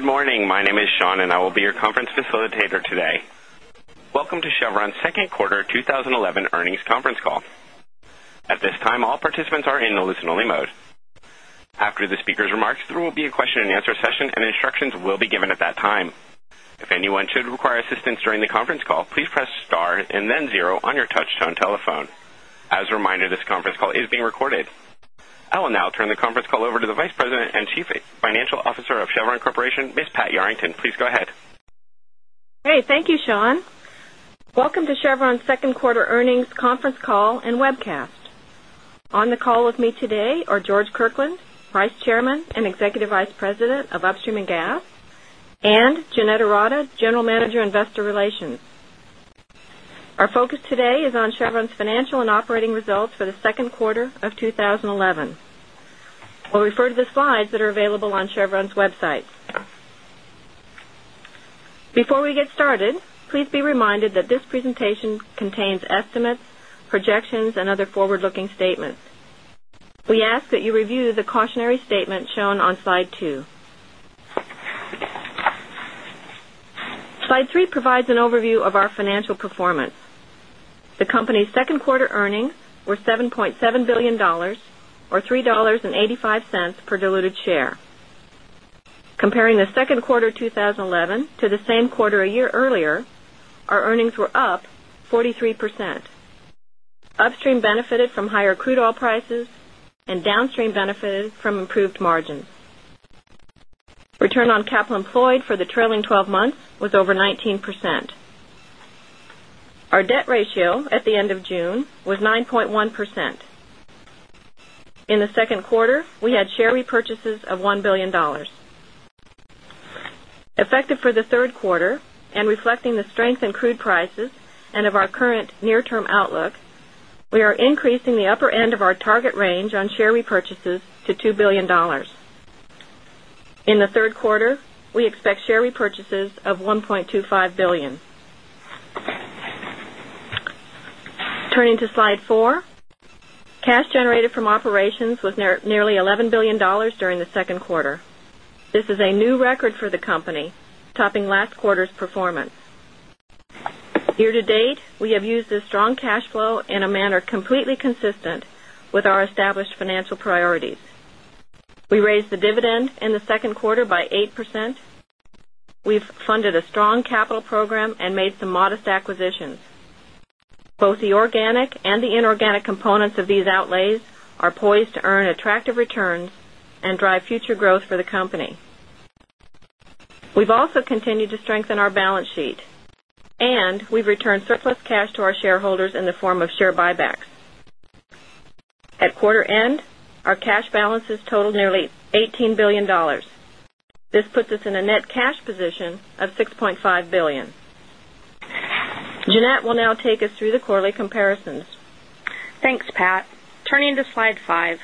Good morning. My name is Sean, and I will be your conference facilitator today. Welcome to Chevron's Second Quarter 2011 Earnings Conference Call. At this time, all participants are in the listen-only mode. After the speaker's remarks, there will be a question and answer session, and instructions will be given at that time. If anyone should require assistance during the conference call, please press star and then zero on your touch-tone telephone. As a reminder, this conference call is being recorded. I will now turn the conference call over to the Vice President and Chief Financial Officer of Chevron Corporation, Ms. Pat Yarrington. Please go ahead. Thank you, Sean. Welcome to Chevron's Second Quarter Earnings Conference Call and Webcast. On the call with me today are George Kirkland, Vice Chairman and Executive Vice President of Upstream and Gas, and Jeanette Ourada, General Manager of Investor Relations. Our focus today is on Chevron's financial and operating results for the second quarter of 2011. We'll refer to the slides that are available on Chevron's website. Before we get started, please be reminded that this presentation contains estimates, projections, and other forward-looking statements. We ask that you review the cautionary statement shown on slide two. Slide three provides an overview of our financial performance. The company's second quarter earnings were $7.7 billion, or $3.85 per diluted share. Comparing the second quarter of 2011 to the same quarter a year earlier, our earnings were up 43%. Upstream benefited from higher crude oil prices, and downstream benefited from improved margins. Return on capital employed for the trailing 12 months was over 19%. Our debt ratio at the end of June was 9.1%. In the second quarter, we had share repurchases of $1 billion. Effective for the third quarter and reflecting the strength in crude prices and of our current near-term outlook, we are increasing the upper end of our target range on share repurchases to $2 billion. In the third quarter, we expect share repurchases of $1.25 billion. Turning to slide four, cash generated from operations was nearly $11 billion during the second quarter. This is a new record for the company, topping last quarter's performance. Year-to-date, we have used this strong cash flow in a manner completely consistent with our established financial priorities. We raised the dividend in the second quarter by 8%. We've funded a strong capital program and made some modest acquisitions. Both the organic and the inorganic components of these outlays are poised to earn attractive returns and drive future growth for the company. We've also continued to strengthen our balance sheet, and we've returned surplus cash to our shareholders in the form of share buybacks. At quarter end, our cash balances totaled nearly $18 billion. This puts us in a net cash position of $6.5 billion. Jeanette will now take us through the quarterly comparisons. Thanks, Pat. Turning to slide five,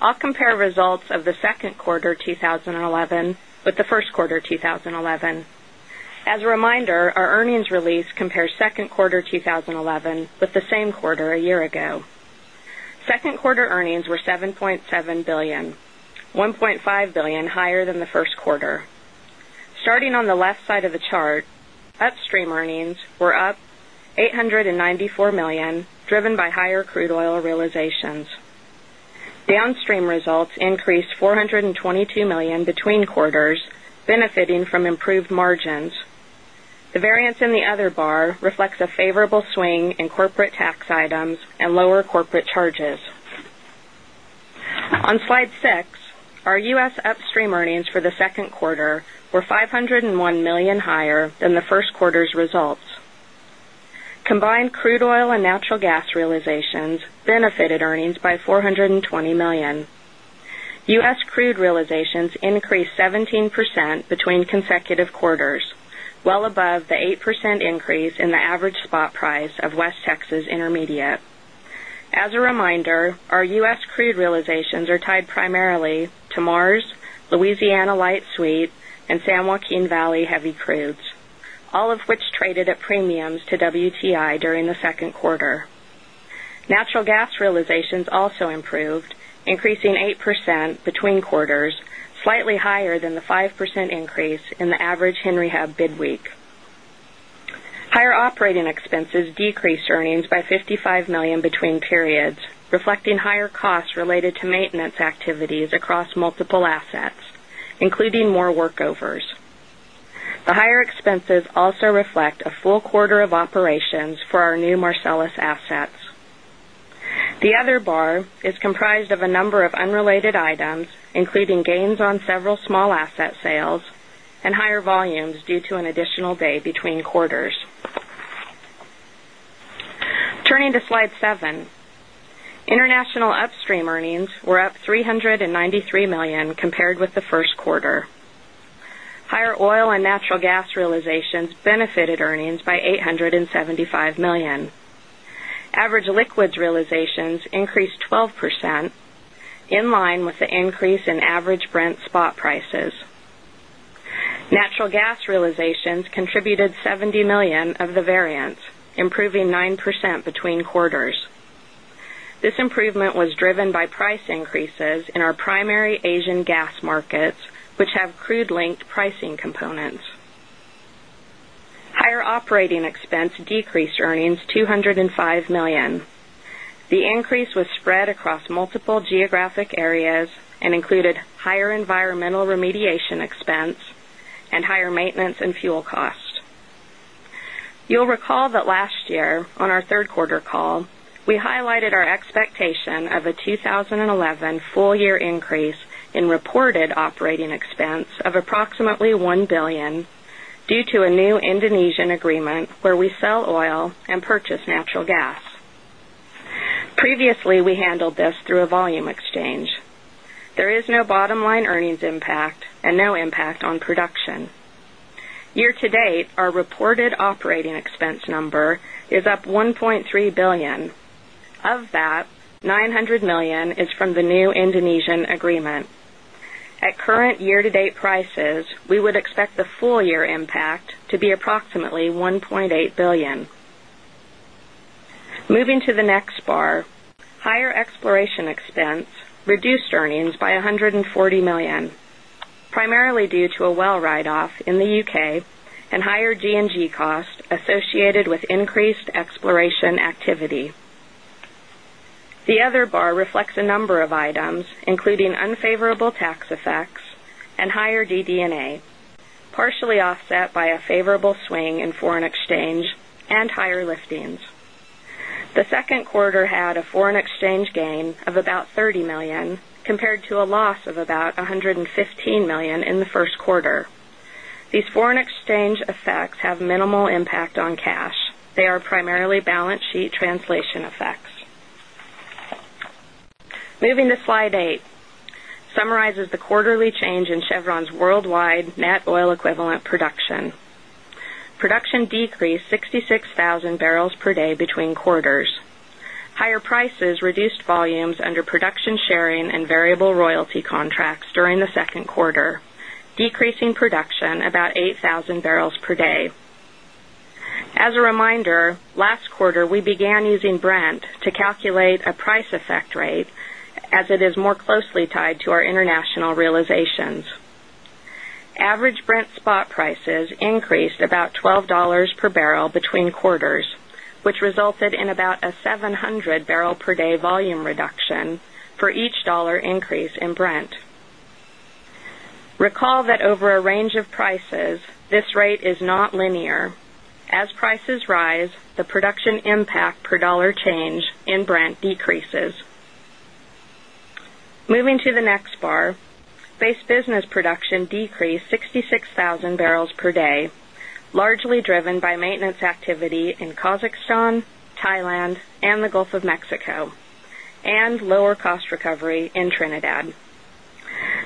I'll compare results of the second quarter 2011 with the first quarter 2011. As a reminder, our earnings release compares second quarter 2011 with the same quarter a year ago. Second quarter earnings were $7.7 billion, $1.5 billion higher than the first quarter. Starting on the left side of the chart, upstream earnings were up $894 million, driven by higher crude oil realizations. Downstream results increased $422 million between quarters, benefiting from improved margins. The variance in the other bar reflects a favorable swing in corporate tax items and lower corporate charges. On slide six, our U.S. upstream earnings for the second quarter were $501 million higher than the first quarter's results. Combined crude oil and natural gas realizations benefited earnings by $420 million. U.S. crude realizations increased 17% between consecutive quarters, well above the 8% increase in the average spot price of West Texas Intermediate. As a reminder, our U.S. crude realizations are tied primarily to March, Louisiana Light Sweet, and San Joaquin Valley heavy crudes, all of which traded at premiums to WTI during the second quarter. Natural gas realizations also improved, increasing 8% between quarters, slightly higher than the 5% increase in the average Henry Hub bid week. Higher operating expenses decreased earnings by $55 million between periods, reflecting higher costs related to maintenance activities across multiple assets, including more workovers. The higher expenses also reflect a full quarter of operations for our new Marcellus assets. The other bar is comprised of a number of unrelated items, including gains on several small asset sales and higher volumes due to an additional day between quarters. Turning to slide seven, international upstream earnings were up $393 million compared with the first quarter. Higher oil and natural gas realizations benefited earnings by $875 million. Average liquids realizations increased 12%, in line with the increase in average Brent spot prices. Natural gas realizations contributed $70 million of the variance, improving 9% between quarters. This improvement was driven by price increases in our primary Asian gas markets, which have crude-linked pricing components. Higher operating expense decreased earnings $205 million. The increase was spread across multiple geographic areas and included higher environmental remediation expense and higher maintenance and fuel costs. You'll recall that last year on our third quarter call, we highlighted our expectation of a 2011 full-year increase in reported operating expense of approximately $1 billion due to a new Indonesian agreement where we sell oil and purchase natural gas. Previously, we handled this through a volume exchange. There is no bottom-line earnings impact and no impact on production. Year-to-date, our reported operating expense number is up $1.3 billion. Of that, $900 million is from the new Indonesian agreement. At current year-to-date prices, we would expect the full-year impact to be approximately $1.8 billion. Moving to the next bar, higher exploration expense reduced earnings by $140 million, primarily due to a well write-off in the U.K. and higher G&G cost associated with increased exploration activity. The other bar reflects a number of items, including unfavorable tax effects and higher DD&A, partially offset by a favorable swing in foreign exchange and higher liftings. The second quarter had a foreign exchange gain of about $30 million compared to a loss of about $115 million in the first quarter. These foreign exchange effects have minimal impact on cash. They are primarily balance sheet translation effects. Moving to slide eight, summarizes the quarterly change in Chevron's worldwide net oil equivalent production. Production decreased 66,000 bpd between quarters. Higher prices reduced volumes under production sharing and variable royalty contracts during the second quarter, decreasing production about 8,000 bpd. As a reminder, last quarter we began using Brent to calculate a price effect rate as it is more closely tied to our international realizations. Average Brent spot prices increased about $12 per bbl between quarters, which resulted in about a 700-bpd volume reduction for each dollar increase in Brent. Recall that over a range of prices, this rate is not linear. As prices rise, the production impact per dollar change in Brent decreases. Moving to the next bar, base business production decreased 66,000 bpd, largely driven by maintenance activity in Kazakhstan, Thailand, and the Gulf of Mexico, and lower cost recovery in Trinidad.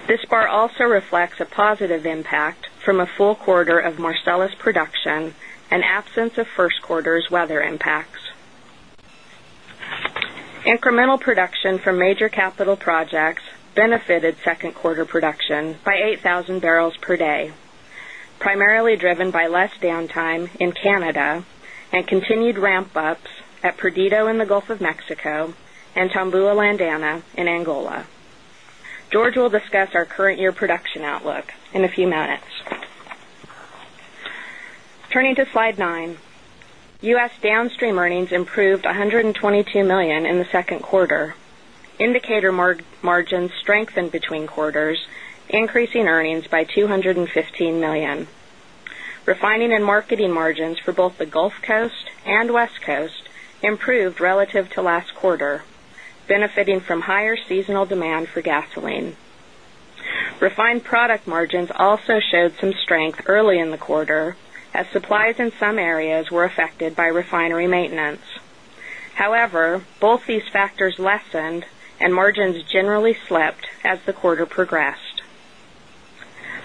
This bar also reflects a positive impact from a full quarter of Marcellus production and absence of first quarter's weather impacts. Incremental production from major capital projects benefited second quarter production by 8,000 bpd, primarily driven by less downtime in Canada and cont-nued ramp-ups at Perdido in the Gulf of Mexico and Tamboa, Landana in Angola. George will discuss our current year production outlook in a few minutes. Turning to slide nine, U.S. downstream earnings improved $122 million in the second quarter. Indicator margins strengthened between quarters, increasing earnings by $215 million. Refining and marketing margins for both the Gulf Coast and West Coast improved relative to last quarter, benefiting from higher seasonal demand for gasoline. Refined product margins also showed some strength early in the quarter, as supplies in some areas were affected by refinery maintenance. However, both these factors lessened and margins generally slipped as the quarter progressed.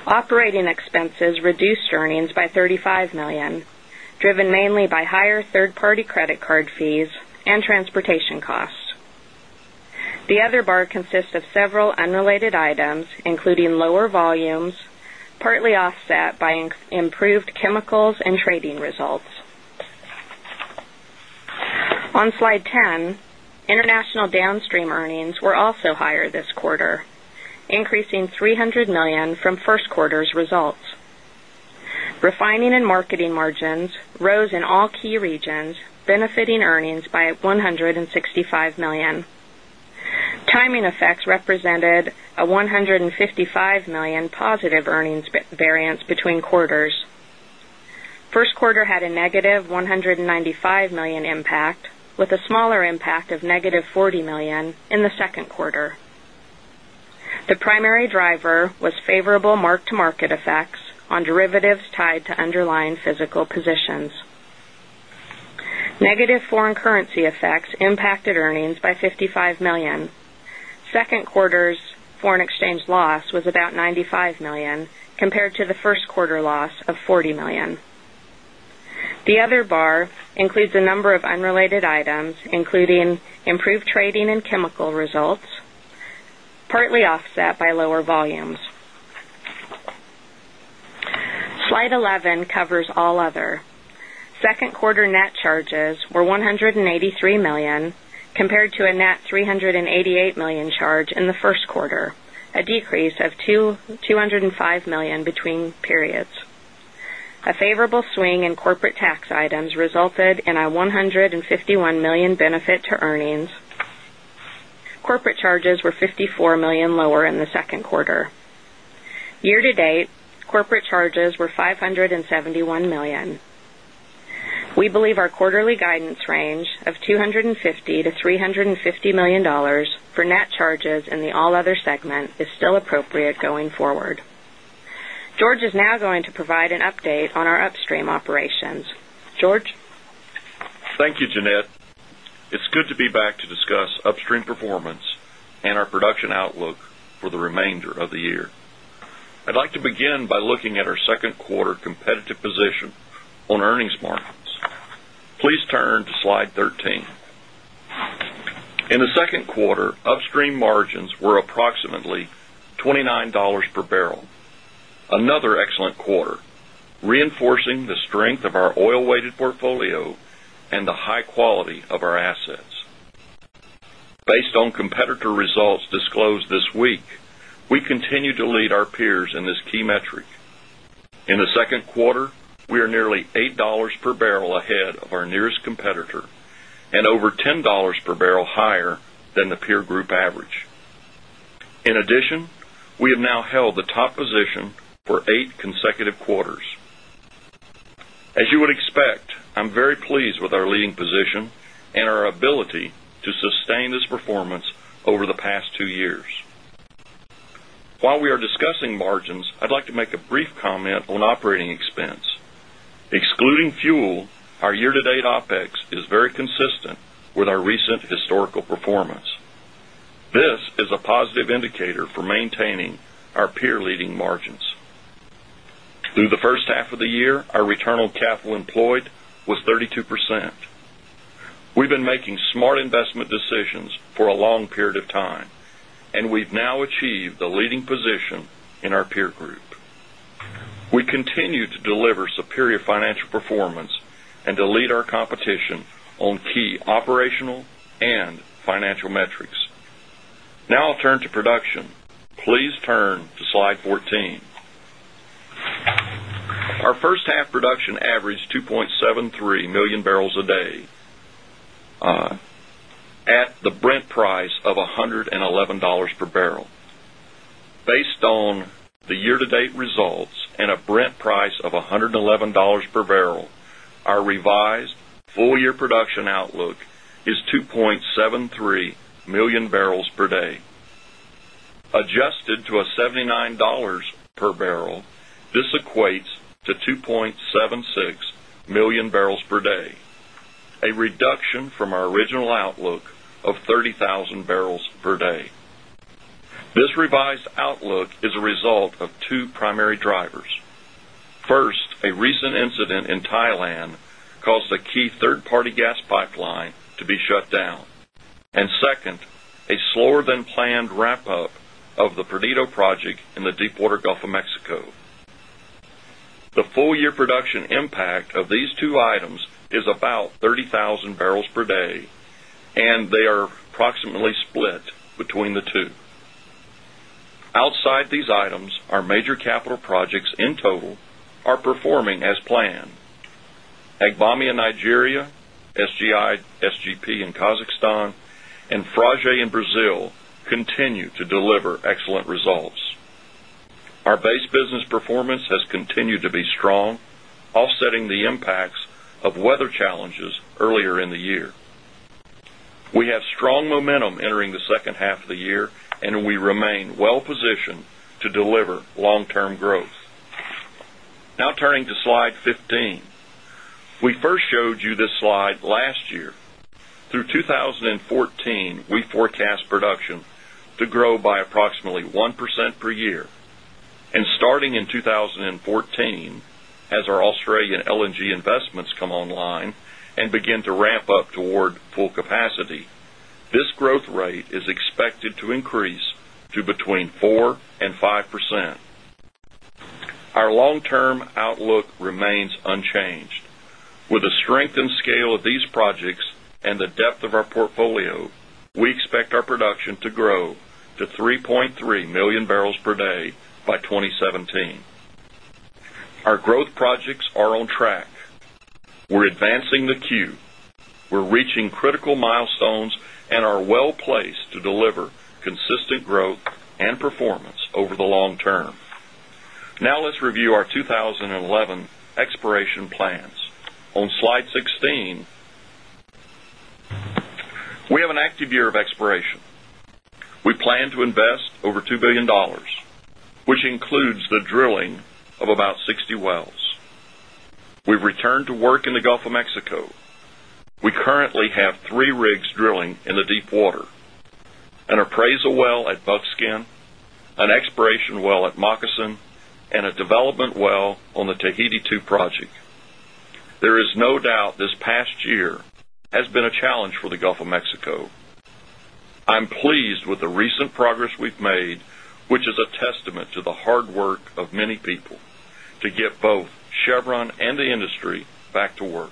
Operating expenses reduced earnings by $35 million, driven mainly by higher third-party credit card fees and transportation costs. The other bar consists of several unrelated items, including lower volumes, partly offset by improved chemicals and trading results. On slide 10, international downstream earnings were also higher this quarter, increasing $300 million from first quarter's results. Refining and marketing margins rose in all key regions, benefiting earnings by $165 million. Timing effects represented a $155 million positive earnings variance between quarters. First quarter had a negative $195 million impact, with a smaller impact of negative $40 million in the second quarter. The primary driver was favorable mark-to-market effects on derivatives tied to underlying physical positions. Negative foreign currency effects impacted earnings by $55 million. Second quarter's foreign exchange loss was about $95 million compared to the first quarter loss of $40 million. The other bar includes a number of unrelated items, including improved trading and chemical results, partly offset by lower volumes. Slide 11 covers all other. Second quarter net charges were $183 million compared to a net $388 million charge in the first quarter, a decrease of $205 million between periods. A favorable swing in corporate tax items resulted in a $151 million benefit to earnings. Corporate charges were $54 million lower in the second quarter. Year-to-date, corporate charges were $571 million. We believe our quarterly guidance range of $250 million-$350 million for net charges in the all other segment is still appropriate going forward. George is now going to provide an update on our upstream operations. George. Thank you, Jeanette. It's good to be back to discuss upstream performance and our production outlook for the remainder of the year. I'd like to begin by looking at our second quarter competitive position on earnings margins. Please turn to slide 13. In the second quarter, upstream margins were approximately $29 per bbl, another excellent quarter, reinforcing the strength of our oil-weighted portfolio and the high quality of our assets. Based on competitor results disclosed this week, we continue to lead our peers in this key metric. In the second quarter, we are nearly $8 per bbl ahead of our nearest competitor and over $10 per bbl higher than the peer group average. In addition, we have now held the top position for eight consecutive quarters. As you would expect, I'm very pleased with our leading position and our ability to sustain this performance over the past two years. While we are discussing margins, I'd like to make a brief comment on operating expense. Excluding fuel, our year-to-date OpEx is very consistent with our recent historical performance. This is a positive indicator for maintaining our peer-leading margins. Through the first half of the year, our return on capital employed was 32%. We've been making smart investment decisions for a long period of time, and we've now achieved the leading position in our peer group. We continue to deliver superior financial performance and to lead our competition on key operational and financial metrics. Now I'll turn to production. Please turn to slide 14. Our first half production averaged 2.73 million bpd at the Brent price of $111 per bbl. Based on the year-to-date results and a Brent price of $111 per bbl, our revised full-year production outlook is 2.73 million bpd. Adjusted to a $79 per bbl, this equates to 2.76 million bpd, a reduction from our original outlook of 30,000 bbls per day. This revised outlook is a result of two primary drivers. First, a recent incident in Thailand caused a key third-party gas pipeline to be shut down, and second, a slower-than-planned wrap-up of the Perdido project in the deepwater Gulf of Mexico. The full-year production impact of these two items is about 30,000 bpd, and they are approximately split between the two. Outside these items, our major capital projects in total are performing as planned. Agbamia in Nigeria, SGI, SGP in Kazakhstan, and FRAGE in Brazil continue to deliver excellent results. Our base business performance has continued to be strong, offsetting the impacts of weather challenges earlier in the year. We have strong momentum entering the second half of the year, and we remain well-positioned to deliver long-term growth. Now turning to slide 15, we first showed you this slide last year. Through 2014, we forecast production to grow by approximately 1% per year, and starting in 2014, as our Australian LNG investments come online and begin to ramp up toward full capacity, this growth rate is expected to increase to between 4% and 5%. Our long-term outlook remains unchanged. With a strengthened scale of these projects and the depth of our portfolio, we expect our production to grow to 3.3 million bpd by 2017. Our growth projects are on track. We're advancing the queue. We're reaching critical milestones and are well placed to deliver consistent growth and performance over the long term. Now let's review our 2011 exploration plans. On slide 16, we have an active year of exploration. We plan to invest over $2 billion, which includes the drilling of about 60 wells. We've returned to work in the Gulf of Mexico. We currently have three rigs drilling in the deep water, an appraisal well at Buckskin, an exploration well at Moccasin, and a development well on the Tahiti-2 Project. There is no doubt this past year has been a challenge for the Gulf of Mexico. I'm pleased with the recent progress we've made, which is a testament to the hard work of many people to get both Chevron and the industry back to work.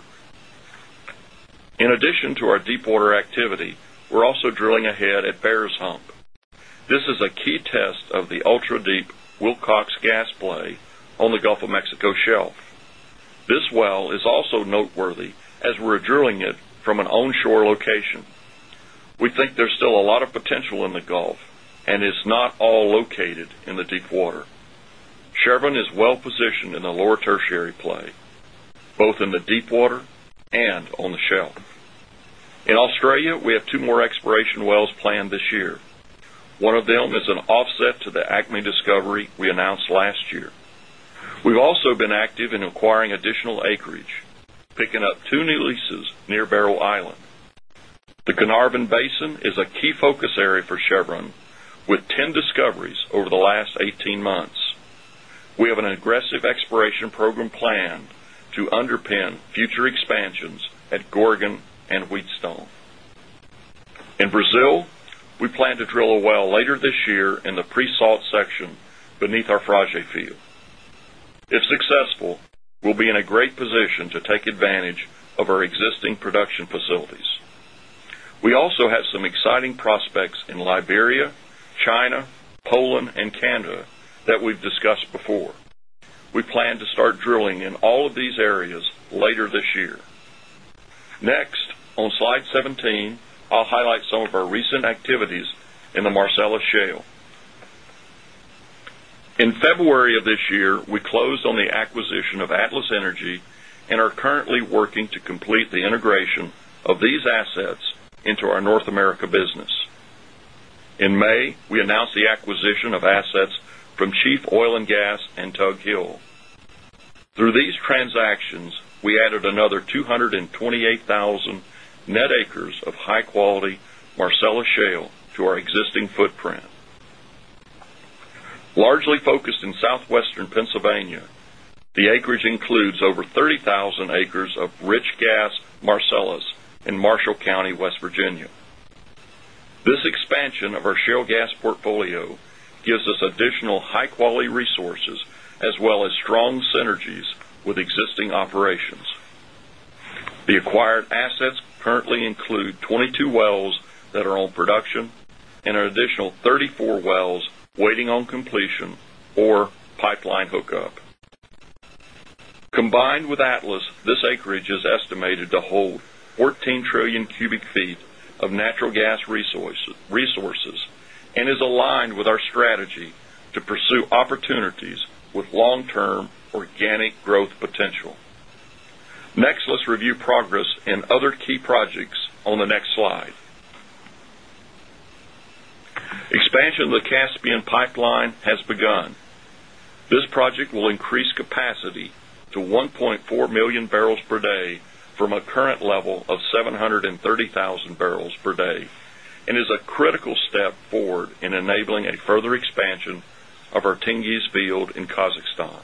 In addition to our deep-water activity, we're also drilling ahead at Farse Hump. This is a key test of the ultra-deep Wilcox gas play on the Gulf of Mexico shelf. This well is also noteworthy as we're drilling it from an onshore location. We think there's still a lot of potential in the Gulf, and it's not all located in the deep water. Chevron is well-positioned in the lower tertiary play, both in the deep water and on the shelf. In Australia, we have two more exploration wells planned this year. One of them is an offset to the ACME discovery we announced last year. We've also been active in acquiring additional acreage, picking up two new leases near Barrow Island. The Carnarvon Basin is a key focus area for Chevron, with 10 discoveries over the last 18 months. We have an aggressive exploration program planned to underpin future expansions at Gorgon LNG and Wheatstone LNG. In Brazil, we plan to drill a well later this year in the pre-salt section beneath our FRAGE field. If successful, we'll be in a great position to take advantage of our existing production facilities. We also have some exciting prospects in Liberia, China, Poland, and Canada that we've discussed before. We plan to start drilling in all of these areas later this year. Next, on slide 17, I'll highlight some of our recent activities in the Marcellus shale. In February of this year, we closed on the acquisition of Atlas Energy and are currently working to complete the integration of these assets into our North America business. In May, we announced the acquisition of assets from Chief Oil & Gas and Tug Hill. Through these transactions, we added another 228,000 net acres of high-quality Marcellus shale to our existing footprint. Largely focused in Southwestern Pennsylvania, the acreage includes over 30,000 acres of rich gas Marcellus in Marshall County, West Virginia. This expansion of our shale gas portfolio gives us additional high-quality resources as well as strong synergies with existing operations. The acquired assets currently include 22 wells that are on production and an additional 34 wells waiting on completion or pipeline hookup. Combined with Atlas, this acreage is estimated to hold 14 trillion cubic feet of natural gas resources and is aligned with our strategy to pursue opportunities with long-term organic growth potential. Next, let's review progress in other key projects on the next slide. Expansion of the Caspian Pipeline has begun. This project will increase capacity to 1.4 million bpd from a current level of 730,000 bpd and is a critical step forward in enabling a further expansion of our Tengiz field in Kazakhstan.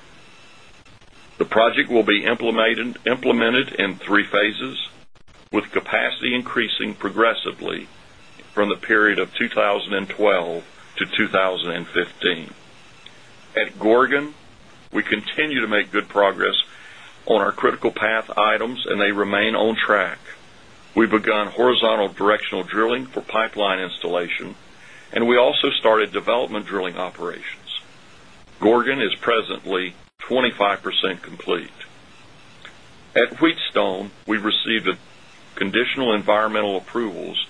The project will be implemented in three phases, with capacity increasing progressively from the period of 2012 to 2015. At Gorgon, we continue to make good progress on our critical path items, and they remain on track. We've begun horizontal directional drilling for pipeline installation, and we also started development drilling operations. Gorgon is presently 25% complete. At Wheatstone, we've received conditional environmental approvals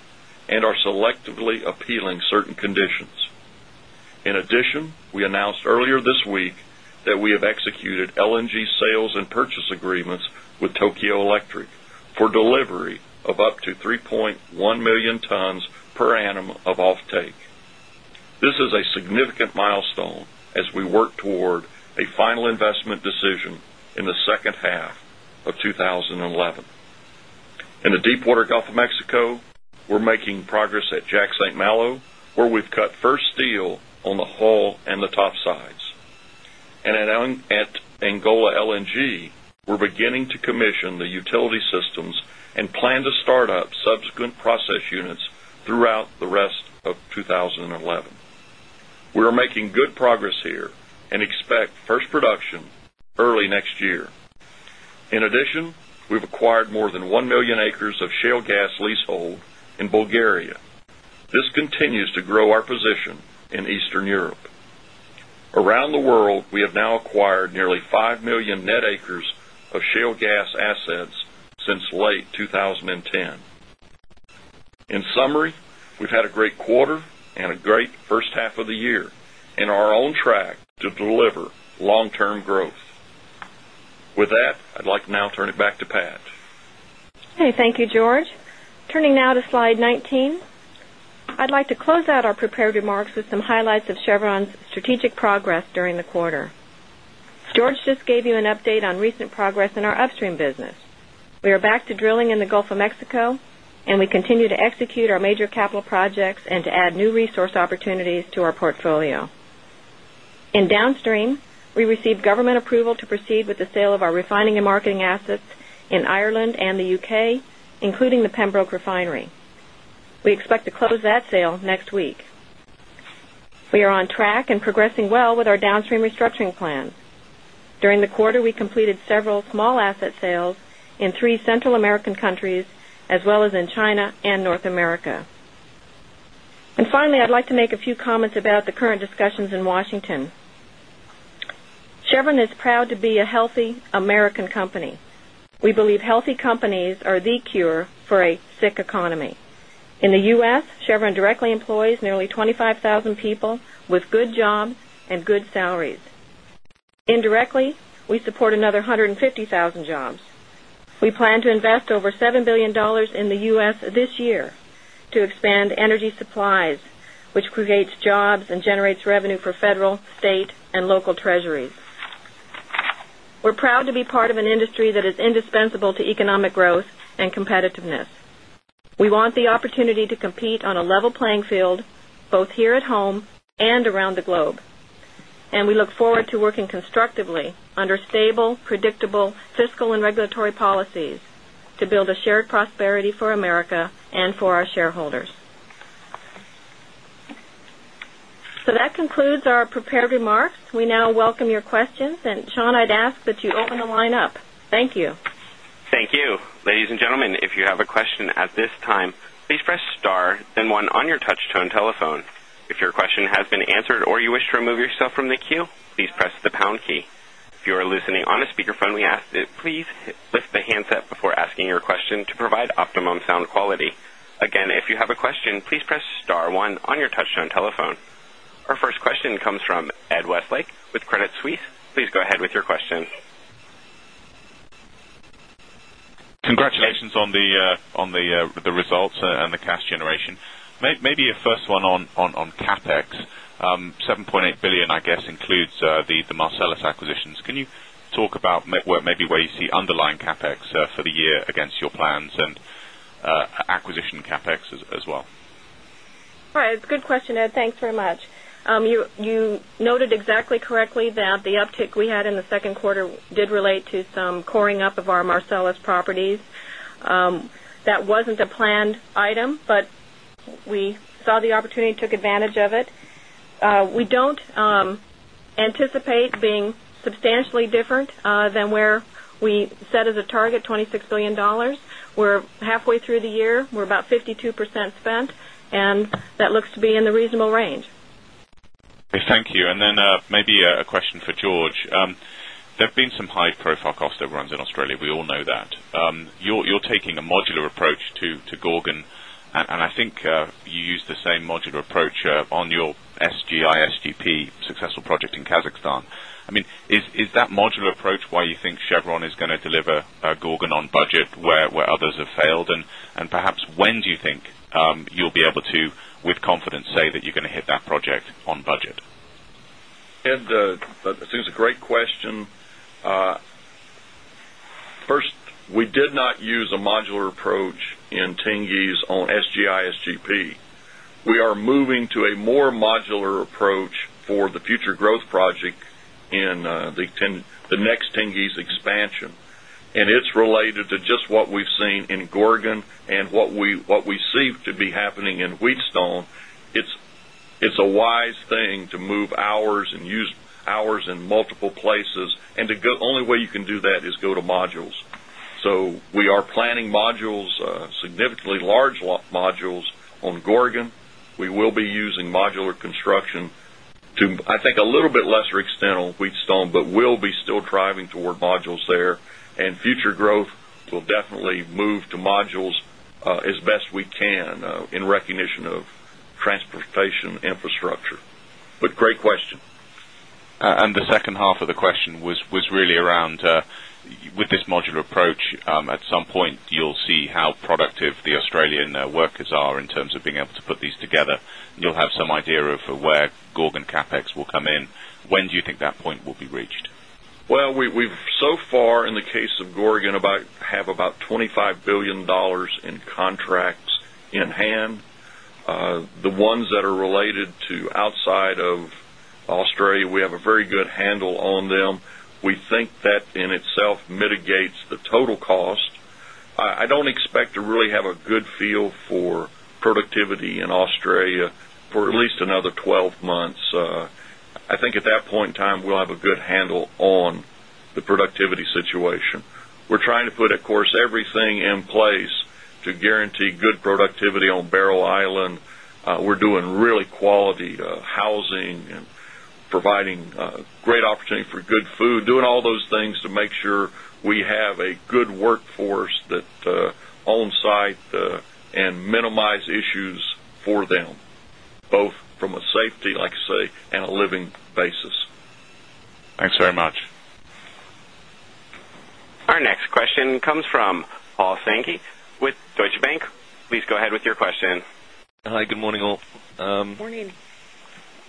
and are selectively appealing certain conditions. In addition, we announced earlier this week that we have executed LNG sales and purchase agreements with Tokyo Electric for delivery of up to 3.1 million tons per annum of offtake. This is a significant milestone as we work toward a final investment decision in the second half of 2011. In the deepwater Gulf of Mexico, we're making progress at Jack St. Malo, where we've cut first steel on the hull and the topsides. At Angola LNG, we're beginning to commission the utility systems and plan to start up subsequent process units throughout the rest of 2011. We are making good progress here and expect first production early next year. In addition, we've acquired more than 1 million acres of shale gas leasehold in Bulgaria. This continues to grow our position in Eastern Europe. Around the world, we have now acquired nearly 5 million net acres of shale gas assets since late 2010. In summary, we've had a great quarter and a great first half of the year and are on track to deliver long-term growth. With that, I'd like to now turn it back to Pat. Okay, thank you, George. Turning now to slide 19, I'd like to close out our prepared remarks with some highlights of Chevron's strategic progress during the quarter. George just gave you an update on recent progress in our upstream business. We are back to drilling in the Gulf of Mexico, and we continue to execute our major capital projects and to add new resource opportunities to our portfolio. In downstream, we received government approval to proceed with the sale of our refining and marketing assets in Ireland and the U.K., including the Pembroke Refinery. We expect to close that sale next week. We are on track and progressing well with our downstream restructuring plan. During the quarter, we completed several small asset sales in three Central American countries, as well as in China and North America. Finally, I'd like to make a few comments about the current discussions in Washington. Chevron is proud to be a healthy American company. We believe healthy companies are the cure for a sick economy. In the U.S., Chevron directly employs nearly 25,000 people with good jobs and good salaries. Indirectly, we support another 150,000 jobs. We plan to invest over $7 billion in the U.S. this year to expand energy supplies, which creates jobs and generates revenue for federal, state, and local treasuries. We're proud to be part of an industry that is indispensable to economic growth and competitiveness. We want the opportunity to compete on a level playing field both here at home and around the globe. We look forward to working constructively under stable, predictable fiscal and regulatory policies to build a shared prosperity for America and for our shareholders. That concludes our prepared remarks. We now welcome your questions, and Sean, I'd ask that you open the line up. Thank you. Thank you. Ladies and gentlemen, if you have a question at this time, please press star then one on your touch-tone telephone. If your question has been answered or you wish to remove yourself from the queue, please press the pound key. If you are listening on a speaker phone, we ask that you please lift the handset before asking your question to provide optimum sound quality. Again, if you have a question, please press star one on your touch-tone telephone. Our first question comes from Ed Westlake with Credit Suisse. Please go ahead with your question. Congratulations on the results and the cash generation. Maybe your first one on CapEx. $7.8 billion, I guess, includes the Marcellus acquisitions. Can you talk about maybe where you see underlying CapEx for the year against your plans and acquisition CapEx as well? Hi, it's a good question, Ed. Thanks very much. You noted exactly correctly that the uptick we had in the second quarter did relate to some coring up of our Marcellus properties. That wasn't a planned item, but we saw the opportunity and took advantage of it. We don't anticipate being substantially different than where we set as a target, $26 billion. We're halfway through the year. We're about 52% spent, and that looks to be in the reasonable range. Thank you. Maybe a question for George. There have been some high-profile costs that run in Australia. We all know that. You're taking a modular approach to Gorgon, and I think you use the same modular approach on your SGI, SGP successful project in Kazakhstan. Is that modular approach why you think Chevron is going to deliver Gorgon on budget where others have failed? Perhaps when do you think you'll be able to, with confidence, say that you're going to hit that project on budget? Ed, I think it's a great question. First, we did not use a modular approach in Tengiz on SGI, SGP. We are moving to a more modular approach for the future growth project in the next Tengiz expansion. It's related to just what we've seen in Gorgon LNG and what we see to be happening in Wheatstone LNG. It's a wise thing to move hours and use hours in multiple places. The only way you can do that is go to modules. We are planning modules, significantly large modules on Gorgon LNG. We will be using modular construction to, I think, a little bit lesser extent on Wheatstone LNG, but we'll be still driving toward modules there. Future growth will definitely move to modules as best we can in recognition of transportation infrastructure. Great question. The second half of the question was really around, with this modular approach, at some point, you'll see how productive the Australian workers are in terms of being able to put these together. You'll have some idea of where Gorgon capital expenditures will come in. When do you think that point will be reached? In the case of Gorgon, we have about $25 billion in contracts in hand. The ones that are related to outside of Australia, we have a very good handle on them. We think that in itself mitigates the total cost. I don't expect to really have a good feel for productivity in Australia for at least another 12 months. I think at that point in time, we'll have a good handle on the productivity situation. We're trying to put, of course, everything in place to guarantee good productivity on Barrow Island. We're doing really quality housing and providing great opportunity for good food, doing all those things to make sure we have a good workforce that's on site and minimizes issues for them, both from a safety, like I say, and a living basis. Thanks very much. Our next question comes from Paul Sankey with Deutsche Bank. Please go ahead with your question. Hi, good morning all. Morning.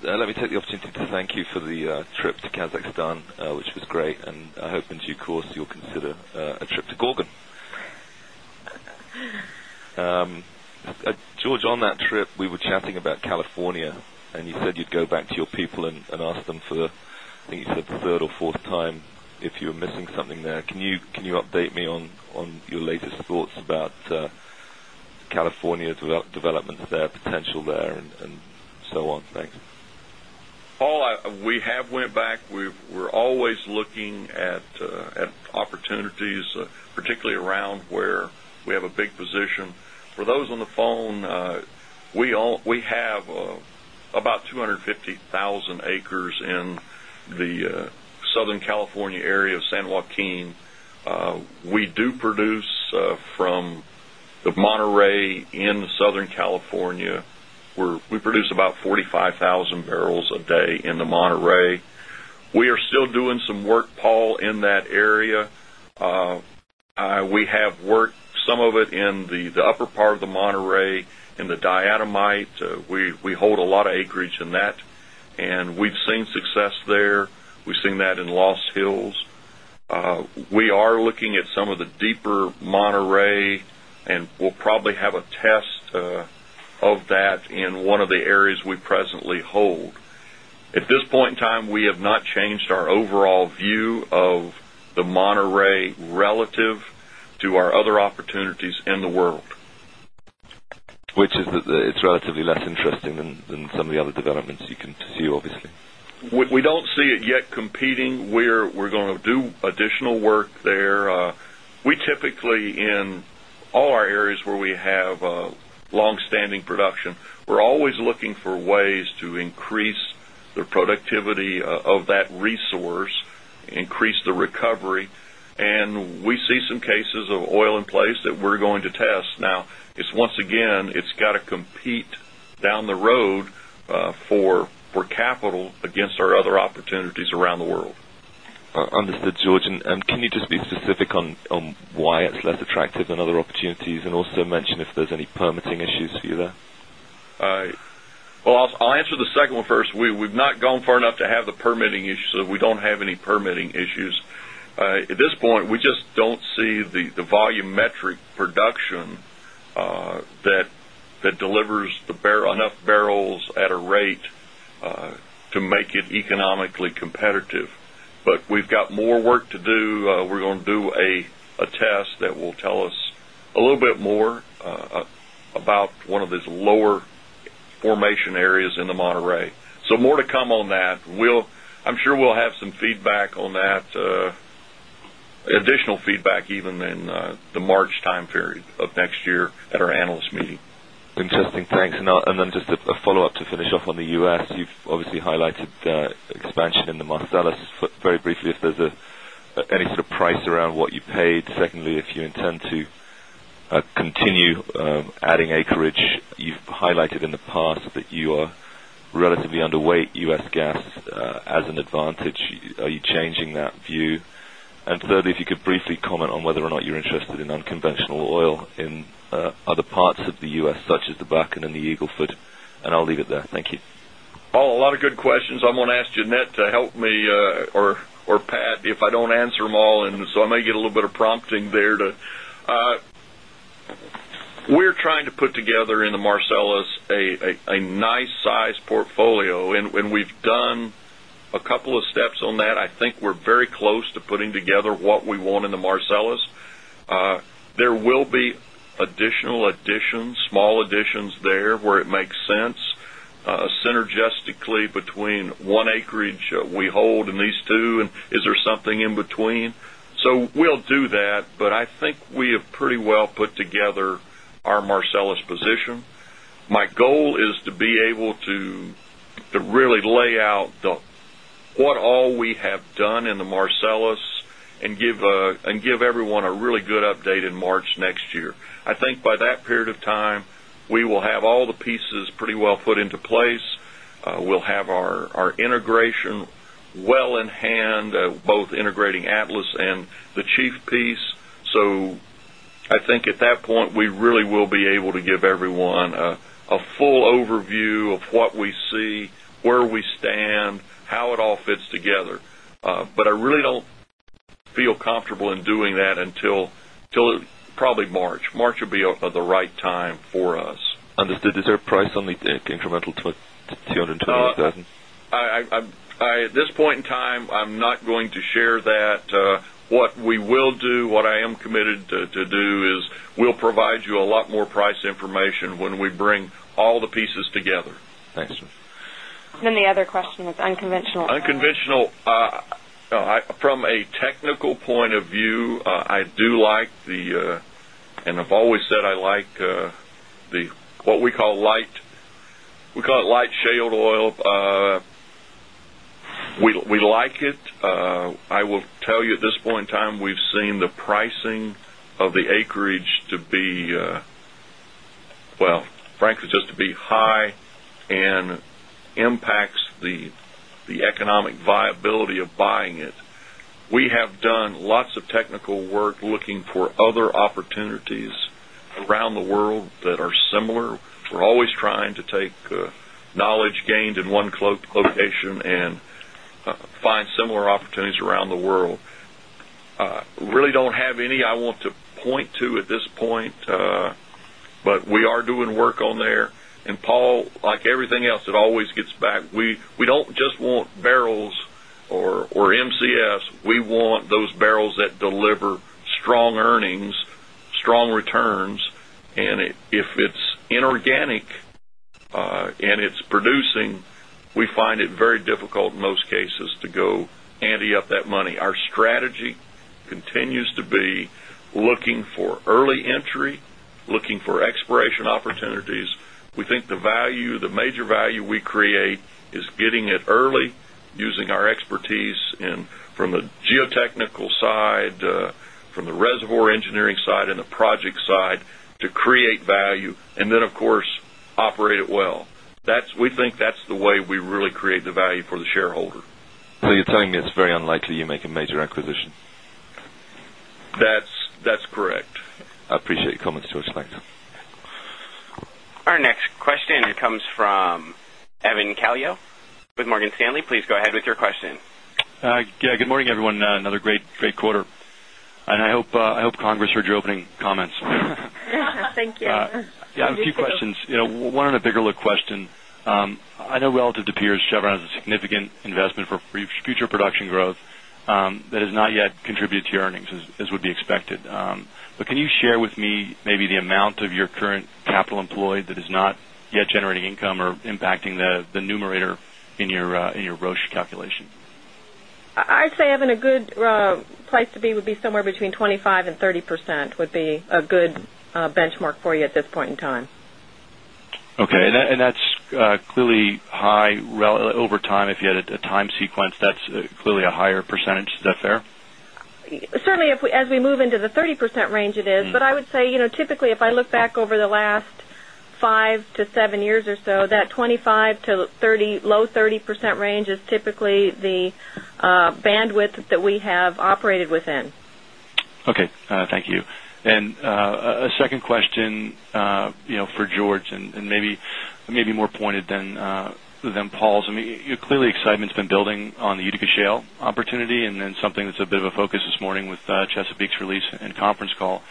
Let me take the opportunity to thank you for the trip to Kazakhstan, which was great. I hope in due course you'll consider a trip to Gorgon. George, on that trip, we were chatting about California, and you said you'd go back to your people and ask them for, I think you did the third or fourth time, if you were missing something there. Can you update me on your latest thoughts about California's development there, potential there, and so on? Thanks. Paul, we have gone back. We're always looking at opportunities, particularly around where we have a big position. For those on the phone, we have about 250,000 acres in the Southern California area of San Joaquin. We do produce from the Monterey in Southern California. We produce about 45,000 barrels per day in the Monterey. We are still doing some work, Paul, in that area. We have worked some of it in the upper part of the Monterey in the diatomite. We hold a lot of acreage in that, and we've seen success there. We've seen that in Lost Hills. We are looking at some of the deeper Monterey, and we'll probably have a test of that in one of the areas we presently hold. At this point in time, we have not changed our overall view of the Monterey relative to our other opportunities in the world. Which is that it's relatively less interesting than some of the other developments you can see, obviously. We don't see it yet competing. We're going to do additional work there. We typically, in all our areas where we have longstanding production, are always looking for ways to increase the productivity of that resource, increase the recovery. We see some cases of oil in place that we're going to test. Now, once again, it's got to compete down the road for capital against our other opportunities around the world. Understood, George. Can you just be specific on why it's less attractive than other opportunities and also mention if there's any permitting issues for you there? I'll answer the second one first. We've not gone far enough to have the permitting issues, so we don't have any permitting issues. At this point, we just don't see the volumetric production that delivers enough barrels at a rate to make it economically competitive. We've got more work to do. We're going to do a test that will tell us a little bit more about one of these lower formation areas in the Monterey. More to come on that. I'm sure we'll have some feedback on that, additional feedback even in the March time period of next year at our analyst meeting. Interesting, thanks. Just a follow-up to finish off on the U.S. You've obviously highlighted expansion in the Marcellus. Very briefly, if there's any sort of price around what you paid. Secondly, if you intend to continue adding acreage, you've highlighted in the past that you are relatively underweight U.S. gas as an advantage. Are you changing that view? Thirdly, if you could briefly comment on whether or not you're interested in unconventional oil in other parts of the U.S., such as the Bakken and the Eagle Ford, and I'll leave it there. Thank you. Oh, a lot of good questions. I'm going to ask Jeanette to help me or Pat if I don't answer them all. I may get a little bit of prompting there. We're trying to put together in the Marcellus a nice-sized portfolio. We've done a couple of steps on that. I think we're very close to putting together what we want in the Marcellus. There will be additional additions, small additions where it makes sense, synergistically between one acreage we hold in these two, and is there something in between? We'll do that. I think we have pretty well put together our Marcellus position. My goal is to be able to really lay out what all we have done in the Marcellus and give everyone a really good update in March next year. I think by that period of time, we will have all the pieces pretty well put into place. We'll have our integration well in hand, both integrating Atlas and the Chief piece. I think at that point, we really will be able to give everyone a full overview of what we see, where we stand, how it all fits together. I really don't feel comfortable in doing that until probably March. March would be the right time for us. Understood. Is there a price on the incremental to $220,000? At this point in time, I'm not going to share that. What we will do, what I am committed to do, is we'll provide you a lot more price information when we bring all the pieces together. Thanks, sir. The other question is unconventional. Unconventional. From a technical point of view, I do like the, and I've always said I like what we call light, we call it light shale oil. We like it. I will tell you at this point in time, we've seen the pricing of the acreage to be, frankly, just to be high and it impacts the economic viability of buying it. We have done lots of technical work looking for other opportunities around the world that are similar. We're always trying to take knowledge gained in one location and find similar opportunities around the world. I really don't have any I want to point to at this point, but we are doing work on there. Paul, like everything else, it always gets back. We don't just want barrels or MCS. We want those barrels that deliver strong earnings, strong returns. If it's inorganic and it's producing, we find it very difficult in most cases to go handy up that money. Our strategy continues to be looking for early entry, looking for exploration opportunities. We think the value, the major value we create is getting it early, using our expertise from the geotechnical side, from the reservoir engineering side, and the project side to create value, and then, of course, operate it well. We think that's the way we really create the value for the shareholder. Are you saying it's very unlikely you make a major acquisition? That's correct. I appreciate your comments, George. Thanks. Our next question comes from Evan Calio with Morgan Stanley. Please go ahead with your question. Yeah, good morning, everyone. Another great quarter. I hope Congress heard your opening comments. Thank you. Yeah, I have a few questions. One on a bigger look question. I know relative to peers, Chevron has a significant investment for future production growth that has not yet contributed to your earnings, as would be expected. Can you share with me maybe the amount of your current capital employed that is not yet generating income or impacting the numerator in your return on capital employed calculation? I'd say having a good place to be would be somewhere between 25% and 30% would be a good benchmark for you at this point in time. Okay. That's clearly high over time. If you had a time sequence, that's clearly a higher percent. Is that fair? Certainly, as we move into the 30% range, it is. I would say, you know, typically, if I look back over the last five to seven years or so, that 25%-30%, low 30% range is typically the bandwidth that we have operated within. Okay. Thank you. A second question for George, and maybe more pointed than Paul's. Clearly, excitement's been building on the Utica Shale opportunity, and that's a bit of a focus this morning with Chesapeake's release and conference call.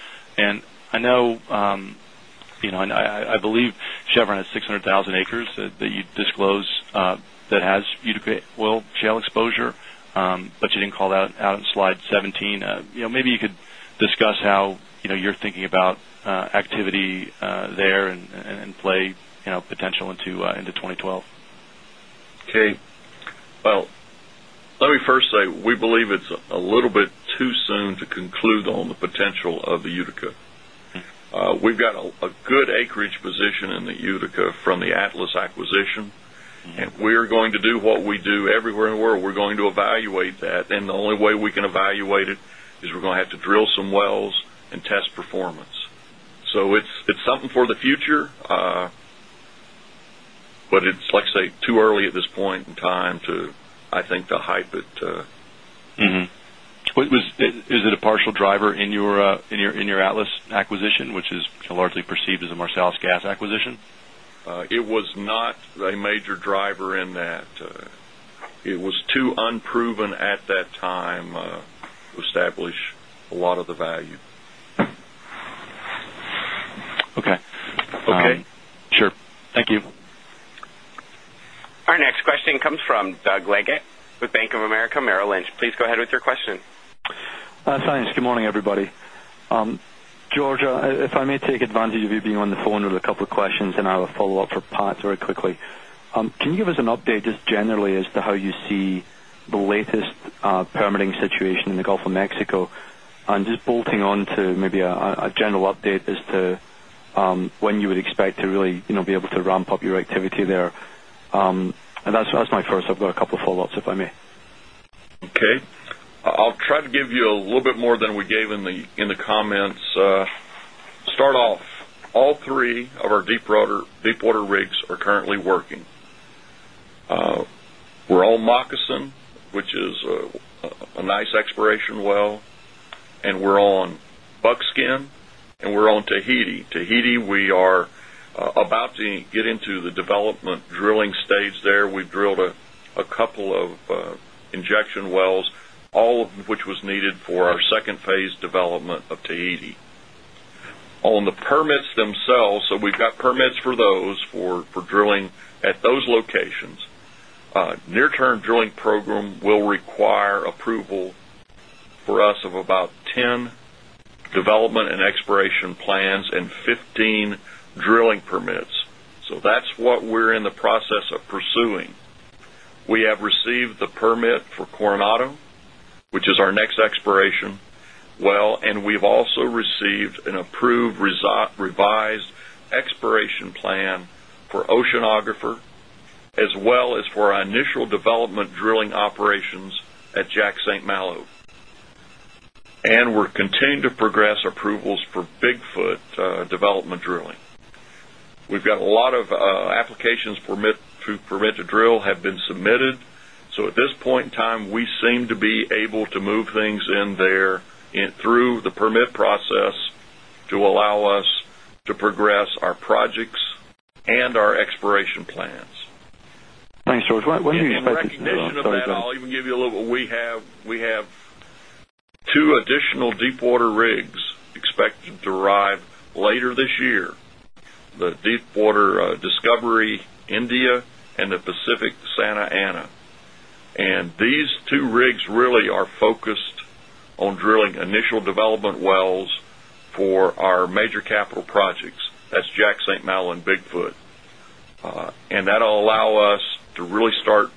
I know, I believe Chevron has 600,000 acres that you disclose that has Utica oil shale exposure, but you didn't call that out in slide 17. Maybe you could discuss how you're thinking about activity there and play potential into 2012. Okay. Let me first say, we believe it's a little bit too soon to conclude on the potential of the Utica. We've got a good acreage position in the Utica from the Atlas acquisition, and we are going to do what we do everywhere in the world. We're going to evaluate that, and the only way we can evaluate it is we're going to have to drill some wells and test performance. It's something for the future, but it's, like I say, too early at this point in time to, I think, to hype it. Is it a partial driver in your Atlas acquisition, which is largely perceived as a Marcellus gas acquisition? It was not a major driver in that. It was too unproven at that time to establish a lot of the value. Okay. Okay. Sure. Thank you. Our next question comes from Doug Leggate with Bank of America Merrill Lynch. Please go ahead with your question. Thanks. Good morning, everybody. George, if I may take advantage of you being on the phone with a couple of questions, and I will follow up for Pat very quickly. Can you give us an update just generally as to how you see the latest permitting situation in the Gulf of Mexico? Just bolting on to maybe a general update as to when you would expect to really be able to ramp up your activity there. That's my first. I've got a couple of follow-ups, if I may. Okay. I'll try to give you a little bit more than we gave in the comments. Start off, all three of our deepwater rigs are currently working. We're on Moccasin, which is a nice exploration well, and we're on Buckskin, and we're on Tahiti. Tahiti, we are about to get into the development drilling stage there. We've drilled a couple of injection wells, all of which was needed for our second phase development of Tahiti. On the permits themselves, we've got permits for those for drilling at those locations. The near-term drilling program will require approval for us of about 10 development and exploration plans and 15 drilling permits. That's what we're in the process of pursuing. We have received the permit for Coronado, which is our next exploration well, and we've also received an approved revised exploration plan for Oceanographer as well as for our initial development drilling operations at Jack St. Malo. We're continuing to progress approvals for Bigfoot development drilling. We've got a lot of applications for permit to drill that have been submitted. At this point in time, we seem to be able to move things in there through the permit process to allow us to progress our projects and our exploration plans. Thanks, George. In recognition of that, I'll even give you a little bit. We have two additional deepwater rigs expected to arrive later this year, the Deepwater Discovery India and the Pacific Santa Ana. These two rigs really are focused on drilling initial development wells for our major capital projects. That's Jack St. Malo and Bigfoot. That'll allow us to really start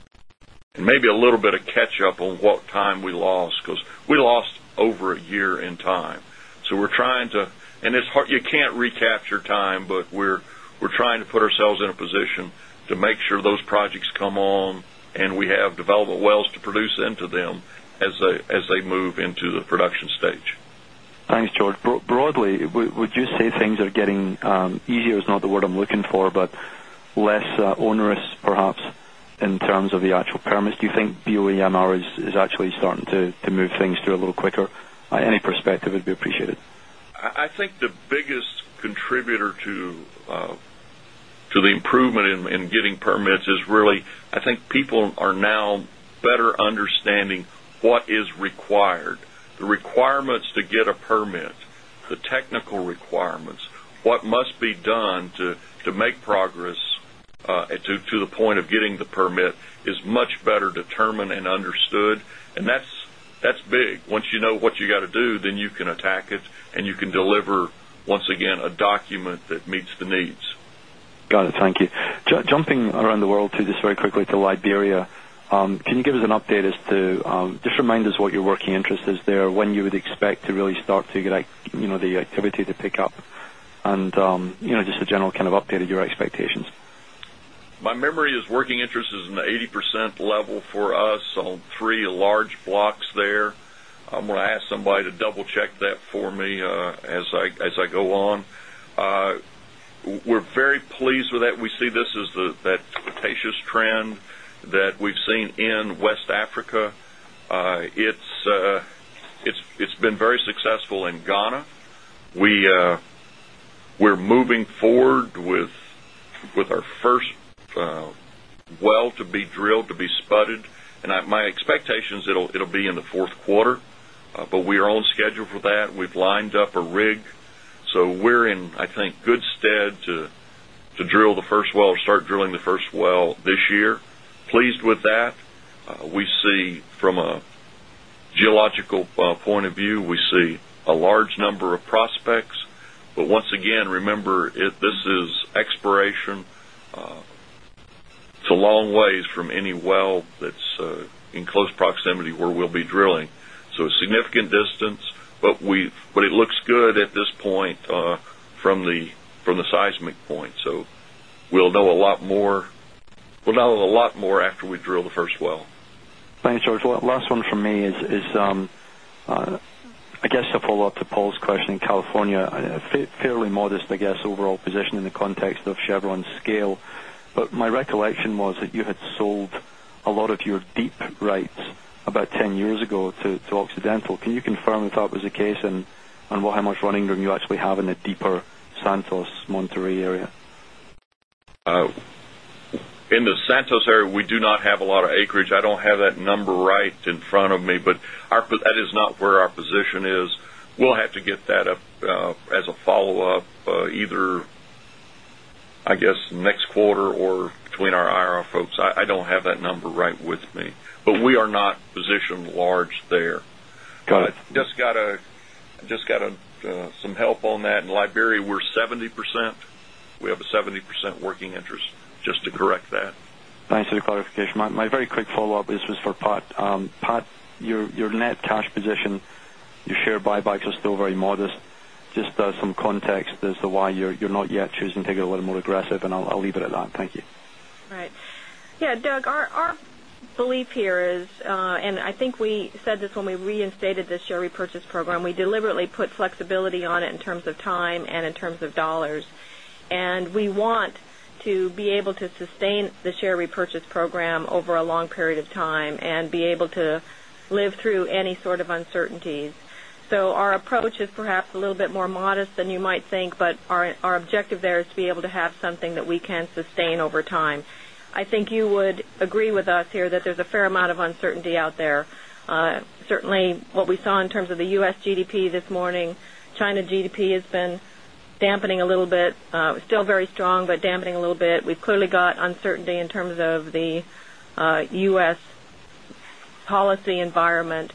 and maybe a little bit of catch-up on what time we lost because we lost over a year in time. We're trying to, and it's hard, you can't recapture time, but we're trying to put ourselves in a position to make sure those projects come on and we have development wells to produce into them as they move into the production stage. Thanks, George. Broadly, would you say things are getting easier is not the word I'm looking for, but less onerous, perhaps, in terms of the actual permits? Do you think the OEMR is actually starting to move things through a little quicker? Any perspective would be appreciated. I think the biggest contributor to the improvement in getting permits is really, I think people are now better understanding what is required. The requirements to get a permit, the technical requirements, what must be done to make progress to the point of getting the permit, is much better determined and understood. That's big. Once you know what you got to do, you can attack it and you can deliver, once again, a document that meets the needs. Got it. Thank you. Jumping around the world too, just very quickly to Liberia, can you give us an update as to just remind us what your working interest is there, when you would expect to really start to get the activity to pick up, and just a general kind of update of your expectations? My memory is working interest is in the 80% level for us on three large blocks there. I'm going to ask somebody to double-check that for me as I go on. We're very pleased with that. We see this as that fictitious trend that we've seen in West Africa. It's been very successful in Ghana. We're moving forward with our first well to be drilled, to be spotted. My expectation is it'll be in the fourth quarter, but we are on schedule for that. We've lined up a rig. We're in, I think, good stead to drill the first well or start drilling the first well this year. Pleased with that. We see from a geological point of view, we see a large number of prospects. Once again, remember, this is exploration. It's a long way from any well that's in close proximity where we'll be drilling. A significant distance, but it looks good at this point from the seismic point. We'll know a lot more after we drill the first well. Thanks, George. Last one from me is, I guess, to follow up to Paul's question in California, a fairly modest, I guess, overall position in the context of Chevron's scale. My recollection was that you had sold a lot of your deep rights about 10 years ago to Occidental. Can you confirm if that was the case and how much running room you actually have in the deeper Santos Monterey area? In the Santos area, we do not have a lot of acreage. I don't have that number right in front of me, but that is not where our position is. We'll have to get that up as a follow-up either next quarter or between our IR folks. I don't have that number right with me. We are not positioned large there. Got it. Just got some help on that. In Liberia, we're 70%. We have a 70% working interest, just to correct that. Thanks for the clarification. My very quick follow-up is for Pat. Pat, your net cash position, your share buybacks are still very modest. Just some context as to why you're not yet choosing to go a little more aggressive, and I'll leave it at that. Thank you. Right. Yeah, Doug, our belief here is, and I think we said this when we reinstated the share repurchase program, we deliberately put flexibility on it in terms of time and in terms of dollars. We want to be able to sustain the share repurchase program over a long period of time and be able to live through any sort of uncertainty. Our approach is perhaps a little bit more modest than you might think, but our objective there is to be able to have something that we can sustain over time. I think you would agree with us here that there's a fair amount of uncertainty out there. Certainly, what we saw in terms of the U.S. GDP this morning, China GDP has been dampening a little bit, still very strong, but dampening a little bit. We've clearly got uncertainty in terms of the U.S. policy environment.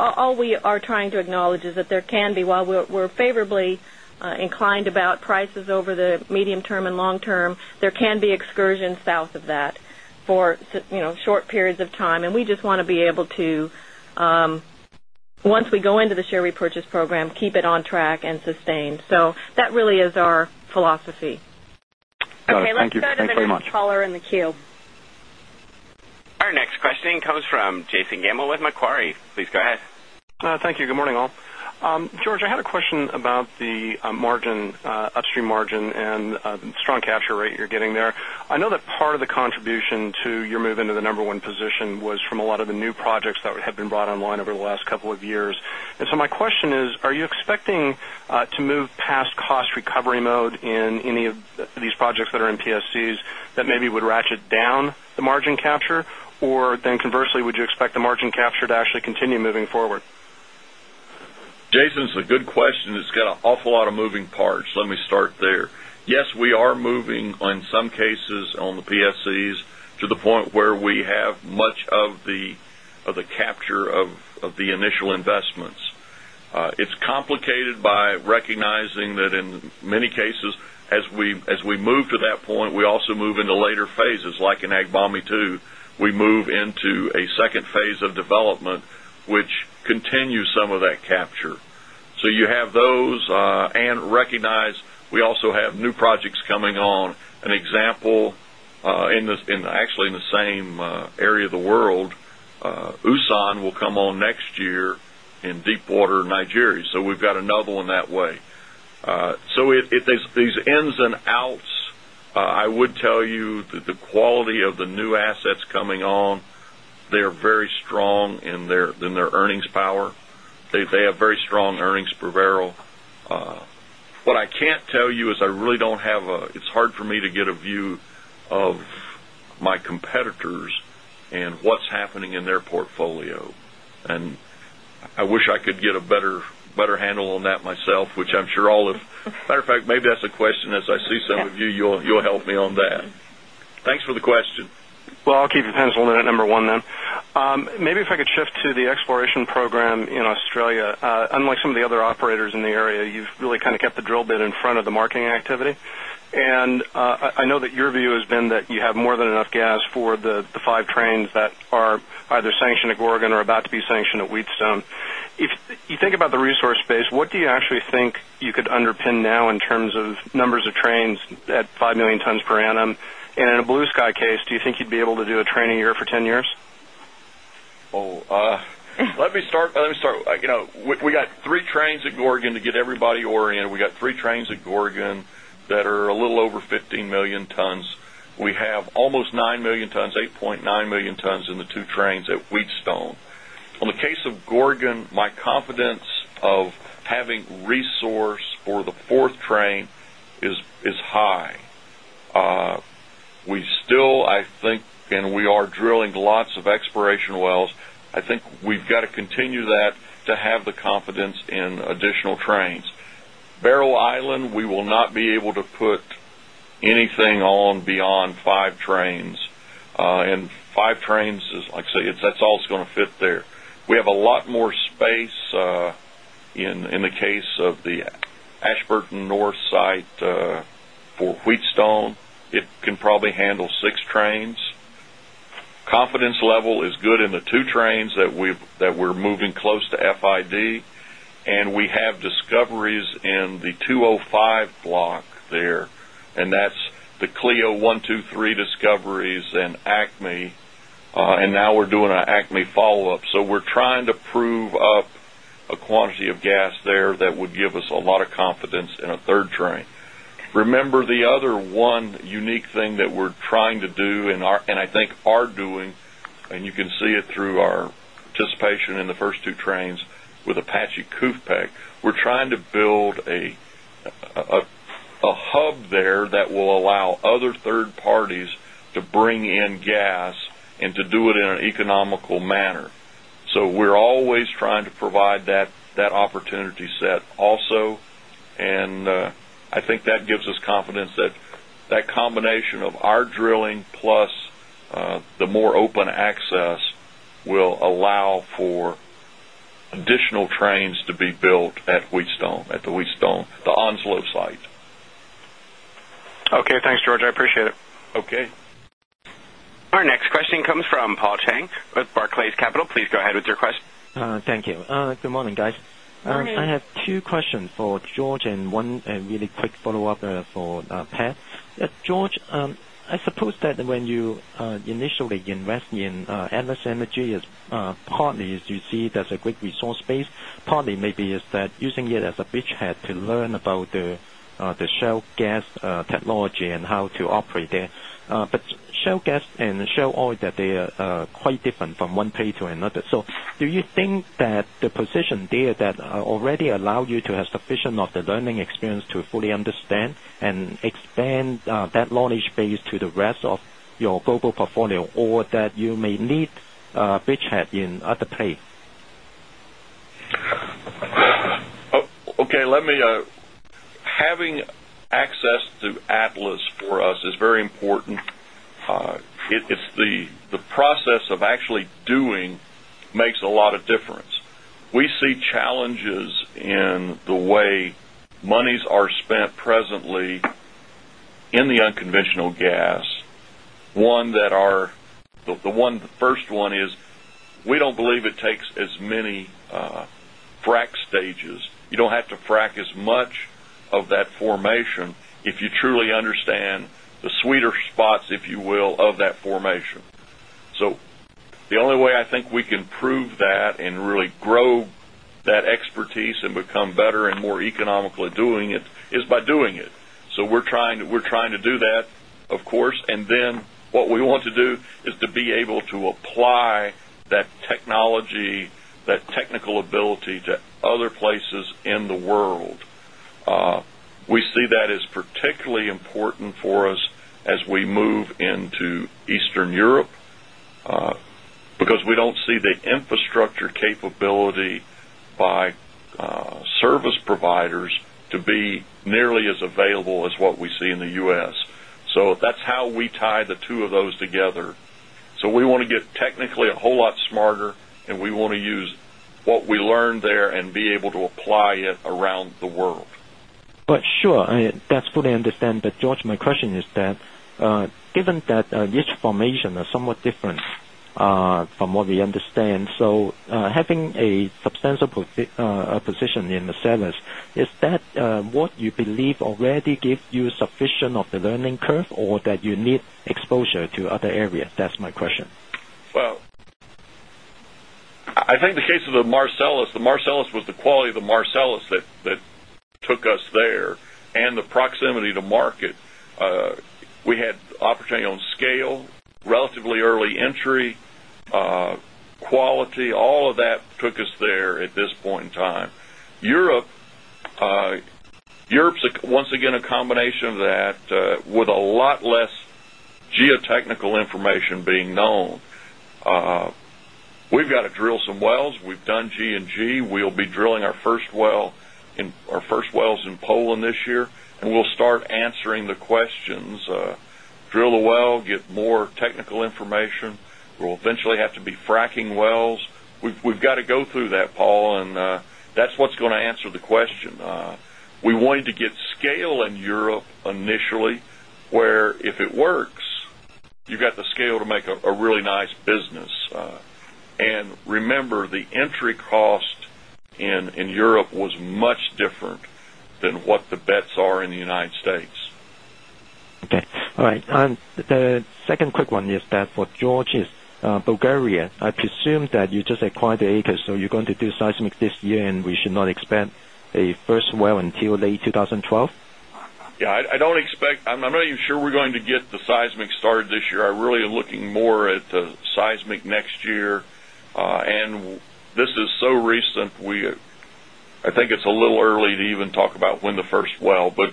All we are trying to acknowledge is that there can be, while we're favorably inclined about prices over the medium term and long term, there can be excursions south of that for short periods of time. We just want to be able to, once we go into the share repurchase program, keep it on track and sustain. That really is our philosophy. Got it. Thank you very much. Thank you for letting us queue. Our next question comes from Jason Gammel with Macquarie. Please go ahead. Thank you. Good morning all. George, I had a question about the upstream margin and the strong capture rate you're getting there. I know that part of the contribution to your move into the number one position was from a lot of the new projects that have been brought online over the last couple of years. My question is, are you expecting to move past cost recovery mode in any of these projects that are in PSCs that maybe would ratchet down the margin capture, or conversely, would you expect the margin capture to actually continue moving forward? Jason, it's a good question. It's got an awful lot of moving parts. Let me start there. Yes, we are moving on some cases on the PSCs to the point where we have much of the capture of the initial investments. It's complicated by recognizing that in many cases, as we move to that point, we also move into later phases, like in Agbami-2. We move into a second phase of development, which continues some of that capture. You have those and recognize we also have new projects coming on. An example, actually in the same area of the world, Usan will come on next year in deep-water Nigeria. We've got another one that way. There are these ins and outs. I would tell you that the quality of the new assets coming on, they're very strong in their earnings power. They have very strong earnings proverbial. What I can't tell you is I really don't have a, it's hard for me to get a view of my competitors and what's happening in their portfolio. I wish I could get a better handle on that myself, which I'm sure all of, as a matter of fact, maybe that's a question as I see some of you, you'll help me on that. Thanks for the question. I'll keep the pencil in at number one then. Maybe if I could shift to the exploration program in Australia, unlike some of the other operators in the area, you've really kind of kept the drill bit in front of the marketing activity. I know that your view has been that you have more than enough gas for the five trains that are either sanctioned at Gorgon or about to be sanctioned at Wheatstone. If you think about the resource base, what do you actually think you could underpin now in terms of numbers of trains at 5 million tons per annum? In a blue sky case, do you think you'd be able to do a train a year for 10 years? Let me start. You know, we got three trains at Gorgon to get everybody oriented. We got three trains at Gorgon that are a little over 15 million tons. We have almost 9 million tons, 8.9 million tons, in the two trains at Wheatstone. In the case of Gorgon, my confidence of having resource for the fourth train is high. We still, I think, and we are drilling lots of exploration wells. I think we've got to continue that to have the confidence in additional trains. Barrow Island, we will not be able to put anything on beyond five trains. Five trains is, like I say, that's all that's going to fit there. We have a lot more space in the case of the Ashburton North site for Wheatstone. It can probably handle six trains. Confidence level is good in the two trains that we're moving close to FID, and we have discoveries in the 205 block there, and that's the Cleo 123 discoveries and ACME. Now we're doing an ACME follow-up. We're trying to prove up a quantity of gas there that would give us a lot of confidence in a third train. Remember the other one unique thing that we're trying to do and I think are doing, and you can see it through our participation in the first two trains with Apache, KUFFPEC, we're trying to build a hub there that will allow other third parties to bring in gas and to do it in an economical manner. We're always trying to provide that opportunity set also. I think that gives us confidence that that combination of our drilling plus the more open access will allow for additional trains to be built at Wheatstone, at the Wheatstone, the Onslow site. Okay, thanks, George. I appreciate it. Okay. Our next question comes from Paul Cheng with Barclays Capital. Please go ahead with your question. Thank you. Good morning, guys. Morning. I have two questions for George and one really quick follow-up for Pat. George, I suppose that when you initially invest in Atlas Energy as partly, as you see, there's a great resource base. Partly maybe is that using it as a beachhead to learn about the shale gas technology and how to operate there. Shale gas and shale oil, they are quite different from one pay to another. Do you think that the position there already allows you to have sufficient of the learning experience to fully understand and expand that knowledge base to the rest of your global portfolio, or that you may need a beachhead in other pay? Okay. Having access to Atlas for us is very important. It's the process of actually doing that makes a lot of difference. We see challenges in the way monies are spent presently in the unconventional gas. One, our first one is we don't believe it takes as many frac stages. You don't have to frac as much of that formation if you truly understand the sweeter spots, if you will, of that formation. The only way I think we can prove that and really grow that expertise and become better and more economically doing it is by doing it. We're trying to do that, of course. What we want to do is to be able to apply that technology, that technical ability to other places in the world. We see that as particularly important for us as we move into Eastern Europe because we don't see the infrastructure capability by service providers to be nearly as available as what we see in the U.S. That's how we tie the two of those together. We want to get technically a whole lot smarter, and we want to use what we learned there and be able to apply it around the world. That's what I understand. George, my question is that given that each formation is somewhat different from what we understand, so having a substantial position in the service, is that what you believe already gives you sufficient of the learning curve or that you need exposure to other areas? That's my question. I think the case of the Marcellus, the Marcellus was the quality of the Marcellus that took us there and the proximity to market. We had opportunity on scale, relatively early entry, quality, all of that took us there at this point in time. Europe's once again a combination of that with a lot less geotechnical information being known. We've got to drill some wells. We've done G&G. We'll be drilling our first wells in Poland this year, and we'll start answering the questions, drill a well, get more technical information. We'll eventually have to be fracking wells. We've got to go through that, Paul, and that's what's going to answer the question. We wanted to get scale in Europe initially, where if it works, you've got the scale to make a really nice business. Remember, the entry cost in Europe was much different than what the bets are in the United States. Okay. All right. The second quick one is that for George is Bulgaria, I presume that you just acquired the acres, so you're going to do seismic this year, and we should not expect a first well until late 2012? Yeah, I don't expect. I'm not even sure we're going to get the seismic started this year. I really am looking more at the seismic next year. This is so recent, I think it's a little early to even talk about when the first well, but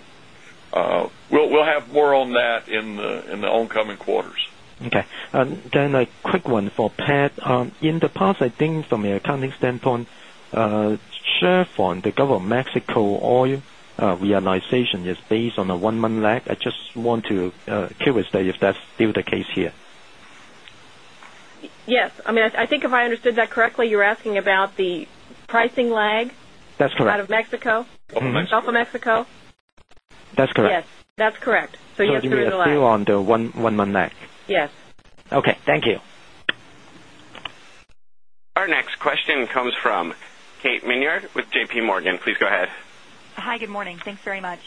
we'll have more on that in the oncoming quarters. Okay. A quick one for Pat. In the past, I think from an accounting standpoint, Chevron, the Gulf of Mexico oil realization is based on a one-month lag. I just want to curious if that's still the case here. Yes. I mean, I think if I understood that correctly, you're asking about the pricing lag. That's correct. Out of Mexico? Of Mexico. Gulf of Mexico? That's correct. Yes, that's correct. Yes, there is a lag. You're still on the one-month lag? Yes. Okay, thank you. Our next question comes from Kate Minyard with JPMorgan. Please go ahead. Hi, good morning. Thanks very much.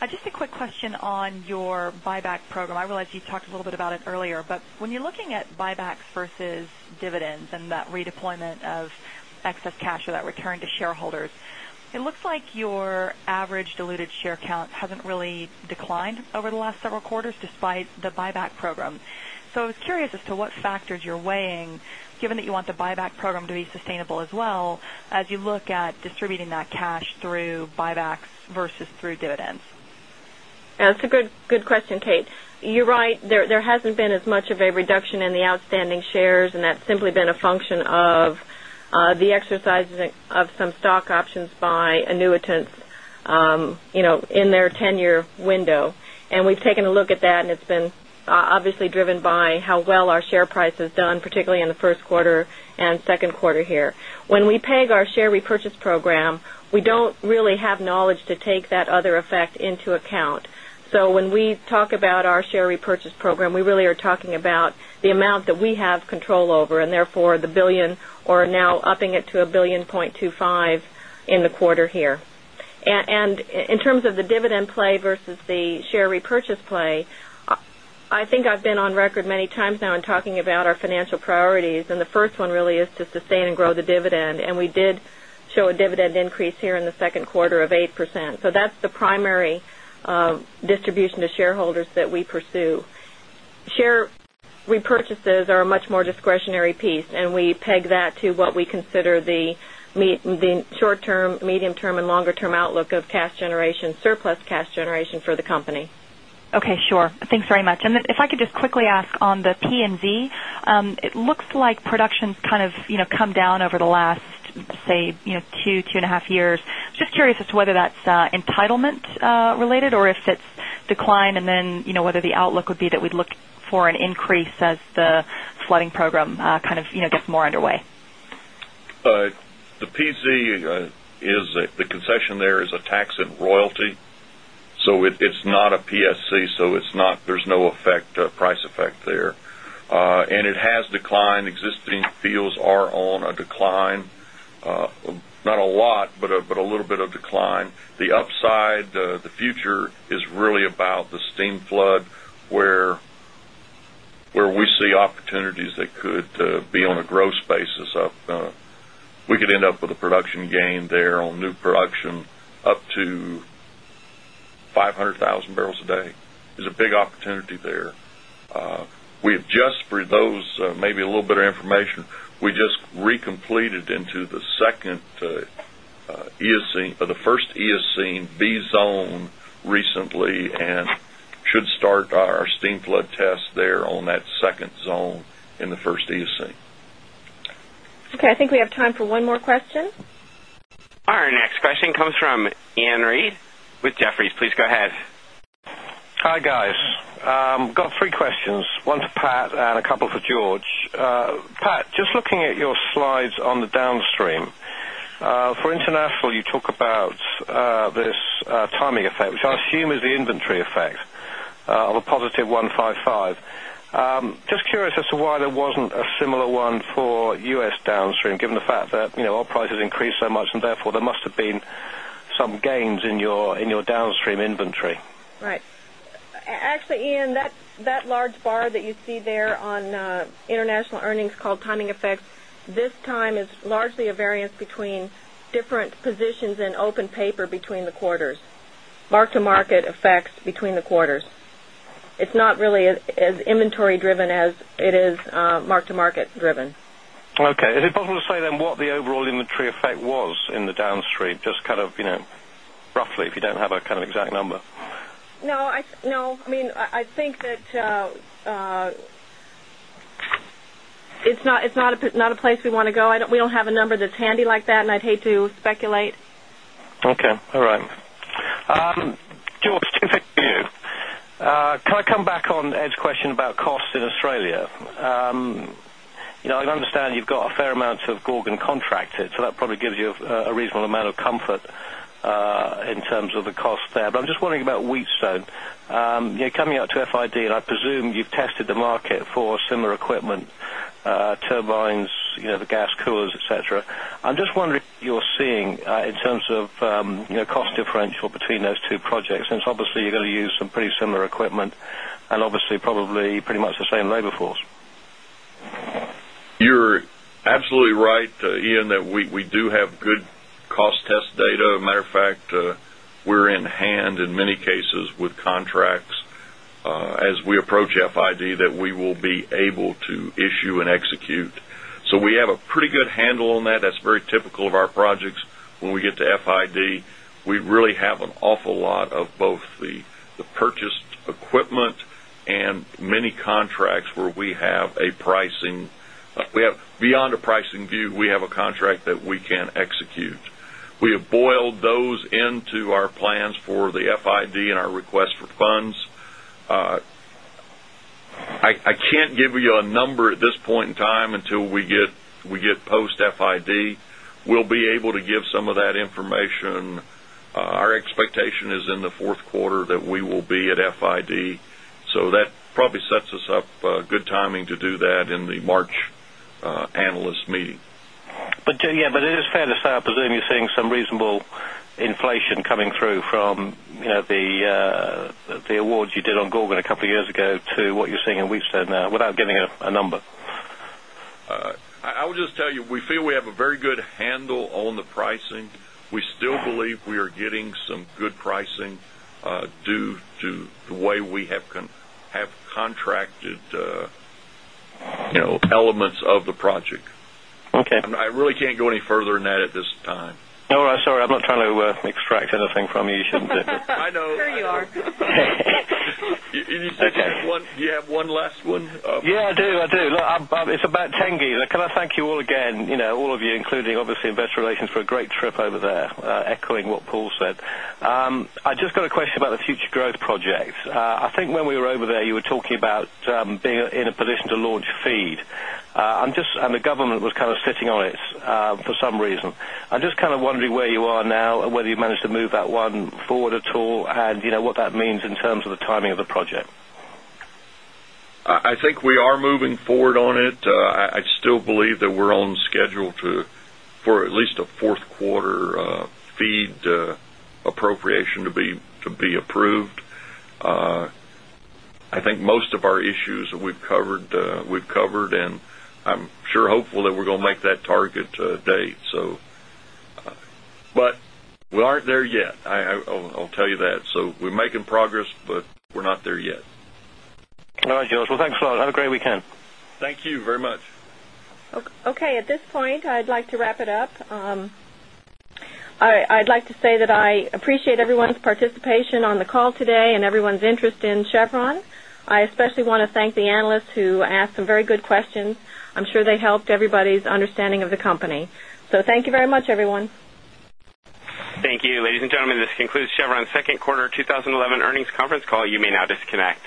Just a quick question on your buyback program. I realize you talked a little bit about it earlier, but when you're looking at buybacks versus dividends and that redeployment of excess cash or that return to shareholders, it looks like your average diluted share count hasn't really declined over the last several quarters despite the buyback program. I was curious as to what factors you're weighing, given that you want the buyback program to be sustainable as well, as you look at distributing that cash through buybacks versus through dividends. Yeah. That's a good question, Kate. You're right. There hasn't been as much of a reduction in the outstanding shares, and that's simply been a function of the exercise of some stock options by a new attempt in their 10-year window. We've taken a look at that, and it's been obviously driven by how well our share price has done, particularly in the first quarter and second quarter here. When we peg our share repurchase program, we don't really have knowledge to take that other effect into account. When we talk about our share repurchase program, we really are talking about the amount that we have control over, and therefore the billion or now upping it to $1.25 billion in the quarter here. In terms of the dividend play versus the share repurchase play, I think I've been on record many times now in talking about our financial priorities, and the first one really is to sustain and grow the dividend. We did show a dividend increase here in the second quarter of 8%. That's the primary distribution to shareholders that we pursue. Share repurchases are a much more discretionary piece, and we peg that to what we consider the short-term, medium-term, and longer-term outlook of cash generation, surplus cash generation for the company. Okay, sure. Thanks very much. If I could just quickly ask on the P&Z, it looks like production's kind of come down over the last, say, two, two and a half years. I'm just curious as to whether that's entitlement-related or if it's declined and then whether the outlook would be that we'd look for an increase as the flooding program kind of gets more underway. The P&Z is the concession; there is a tax and royalty. It's not a PSC, so there's no price effect there. It has declined. Existing fields are on a decline, not a lot, but a little bit of decline. The upside, the future is really about the steam flood where we see opportunities that could be on a gross basis up. We could end up with a production gain there on new production up to 500,000 bpd. There's a big opportunity there. For those, maybe a little bit of information, we just recompleted into the second ESC or the first ESC B zone recently and should start our steam flood test there on that second zone in the first ESC. Okay, I think we have time for one more question. Our next question comes from Iain Reid with Jefferies. Please go ahead. Hi guys. I've got three questions. One for Pat and a couple for George. Pat, just looking at your slides on the downstream, for international, you talk about this timing effect, which I assume is the inventory effect of a +$155. Just curious as to why there wasn't a similar one for U.S. downstream, given the fact that our prices increased so much, and therefore there must have been some gains in your downstream inventory. Right. Actually, Iain, that large bar that you see there on international earnings called timing effects this time is largely a variance between different positions in open paper between the quarters, mark-to-market effects between the quarters. It's not really as inventory-driven as it is mark-to-market driven. Okay. Is it possible to say then what the overall inventory effect was in the downstream, just kind of roughly if you don't have a kind of exact number? No, I mean, I think that it's not a place we want to go. We don't have a number that's handy like that, and I'd hate to speculate. Okay. All right. George, if it's you, can I come back on Ed's question about cost in Australia? I understand you've got a fair amount of Gorgon LNG contracted, so that probably gives you a reasonable amount of comfort in terms of the cost there. I'm just wondering about Wheatstone, coming up to FID, and I presume you've tested the market for similar equipment, turbines, the gas coolers, etc. I'm just wondering if you're seeing in terms of cost differential between those two projects. It's obviously you're going to use some pretty similar equipment and obviously probably pretty much the same labor force. You're absolutely right, Iain, that we do have good cost test data. As a matter of fact, we're in hand in many cases with contracts as we approach FID that we will be able to issue and execute. We have a pretty good handle on that. That's very typical of our projects when we get to FID. We really have an awful lot of both the purchased equipment and many contracts where we have a pricing. We have beyond a pricing view. We have a contract that we can't execute. We have boiled those into our plans for the FID and our request for funds. I can't give you a number at this point in time until we get post-FID. We'll be able to give some of that information. Our expectation is in the fourth quarter that we will be at FID. That probably sets us up a good timing to do that in the March analyst meeting. It is fair to say I presume you're seeing some reasonable inflation coming through from the awards you did on Gorgon a couple of years ago to what you're seeing in Wheatstone now without giving a number. I will just tell you we feel we have a very good handle on the pricing. We still believe we are getting some good pricing due to the way we have contracted elements of the project. Okay. I really can't go any further than that at this time. No, I'm sorry. I'm not trying to extract anything from you. You shouldn't do it. I know. Sure you are. You said you have one last one? Yeah, I do. It's about $10 billion. Can I thank you all again, you know, all of you, including obviously Investor Relations, for a great trip over there, echoing what Paul said. I just got a question about the Future Growth project. I think when we were over there, you were talking about being in a position to launch FEED, and the government was kind of sitting on it for some reason. I'm just kind of wondering where you are now and whether you've managed to move that one forward at all and what that means in terms of the timing of the project. I think we are moving forward on it. I still believe that we're on schedule for at least a fourth quarter FEED appropriation to be approved. I think most of our issues we've covered, and I'm sure hopeful that we're going to make that target date. We aren't there yet. I'll tell you that. We're making progress, but we're not there yet. No, George. Thanks a lot. Have a great weekend. Thank you very much. Okay. At this point, I'd like to wrap it up. I'd like to say that I appreciate everyone's participation on the call today and everyone's interest in Chevron. I especially want to thank the analysts who asked some very good questions. I'm sure they helped everybody's understanding of the company. Thank you very much, everyone. Thank you. Ladies and gentlemen, this concludes Chevron's Second Quarter 2011 Earnings Conference Call. You may now disconnect.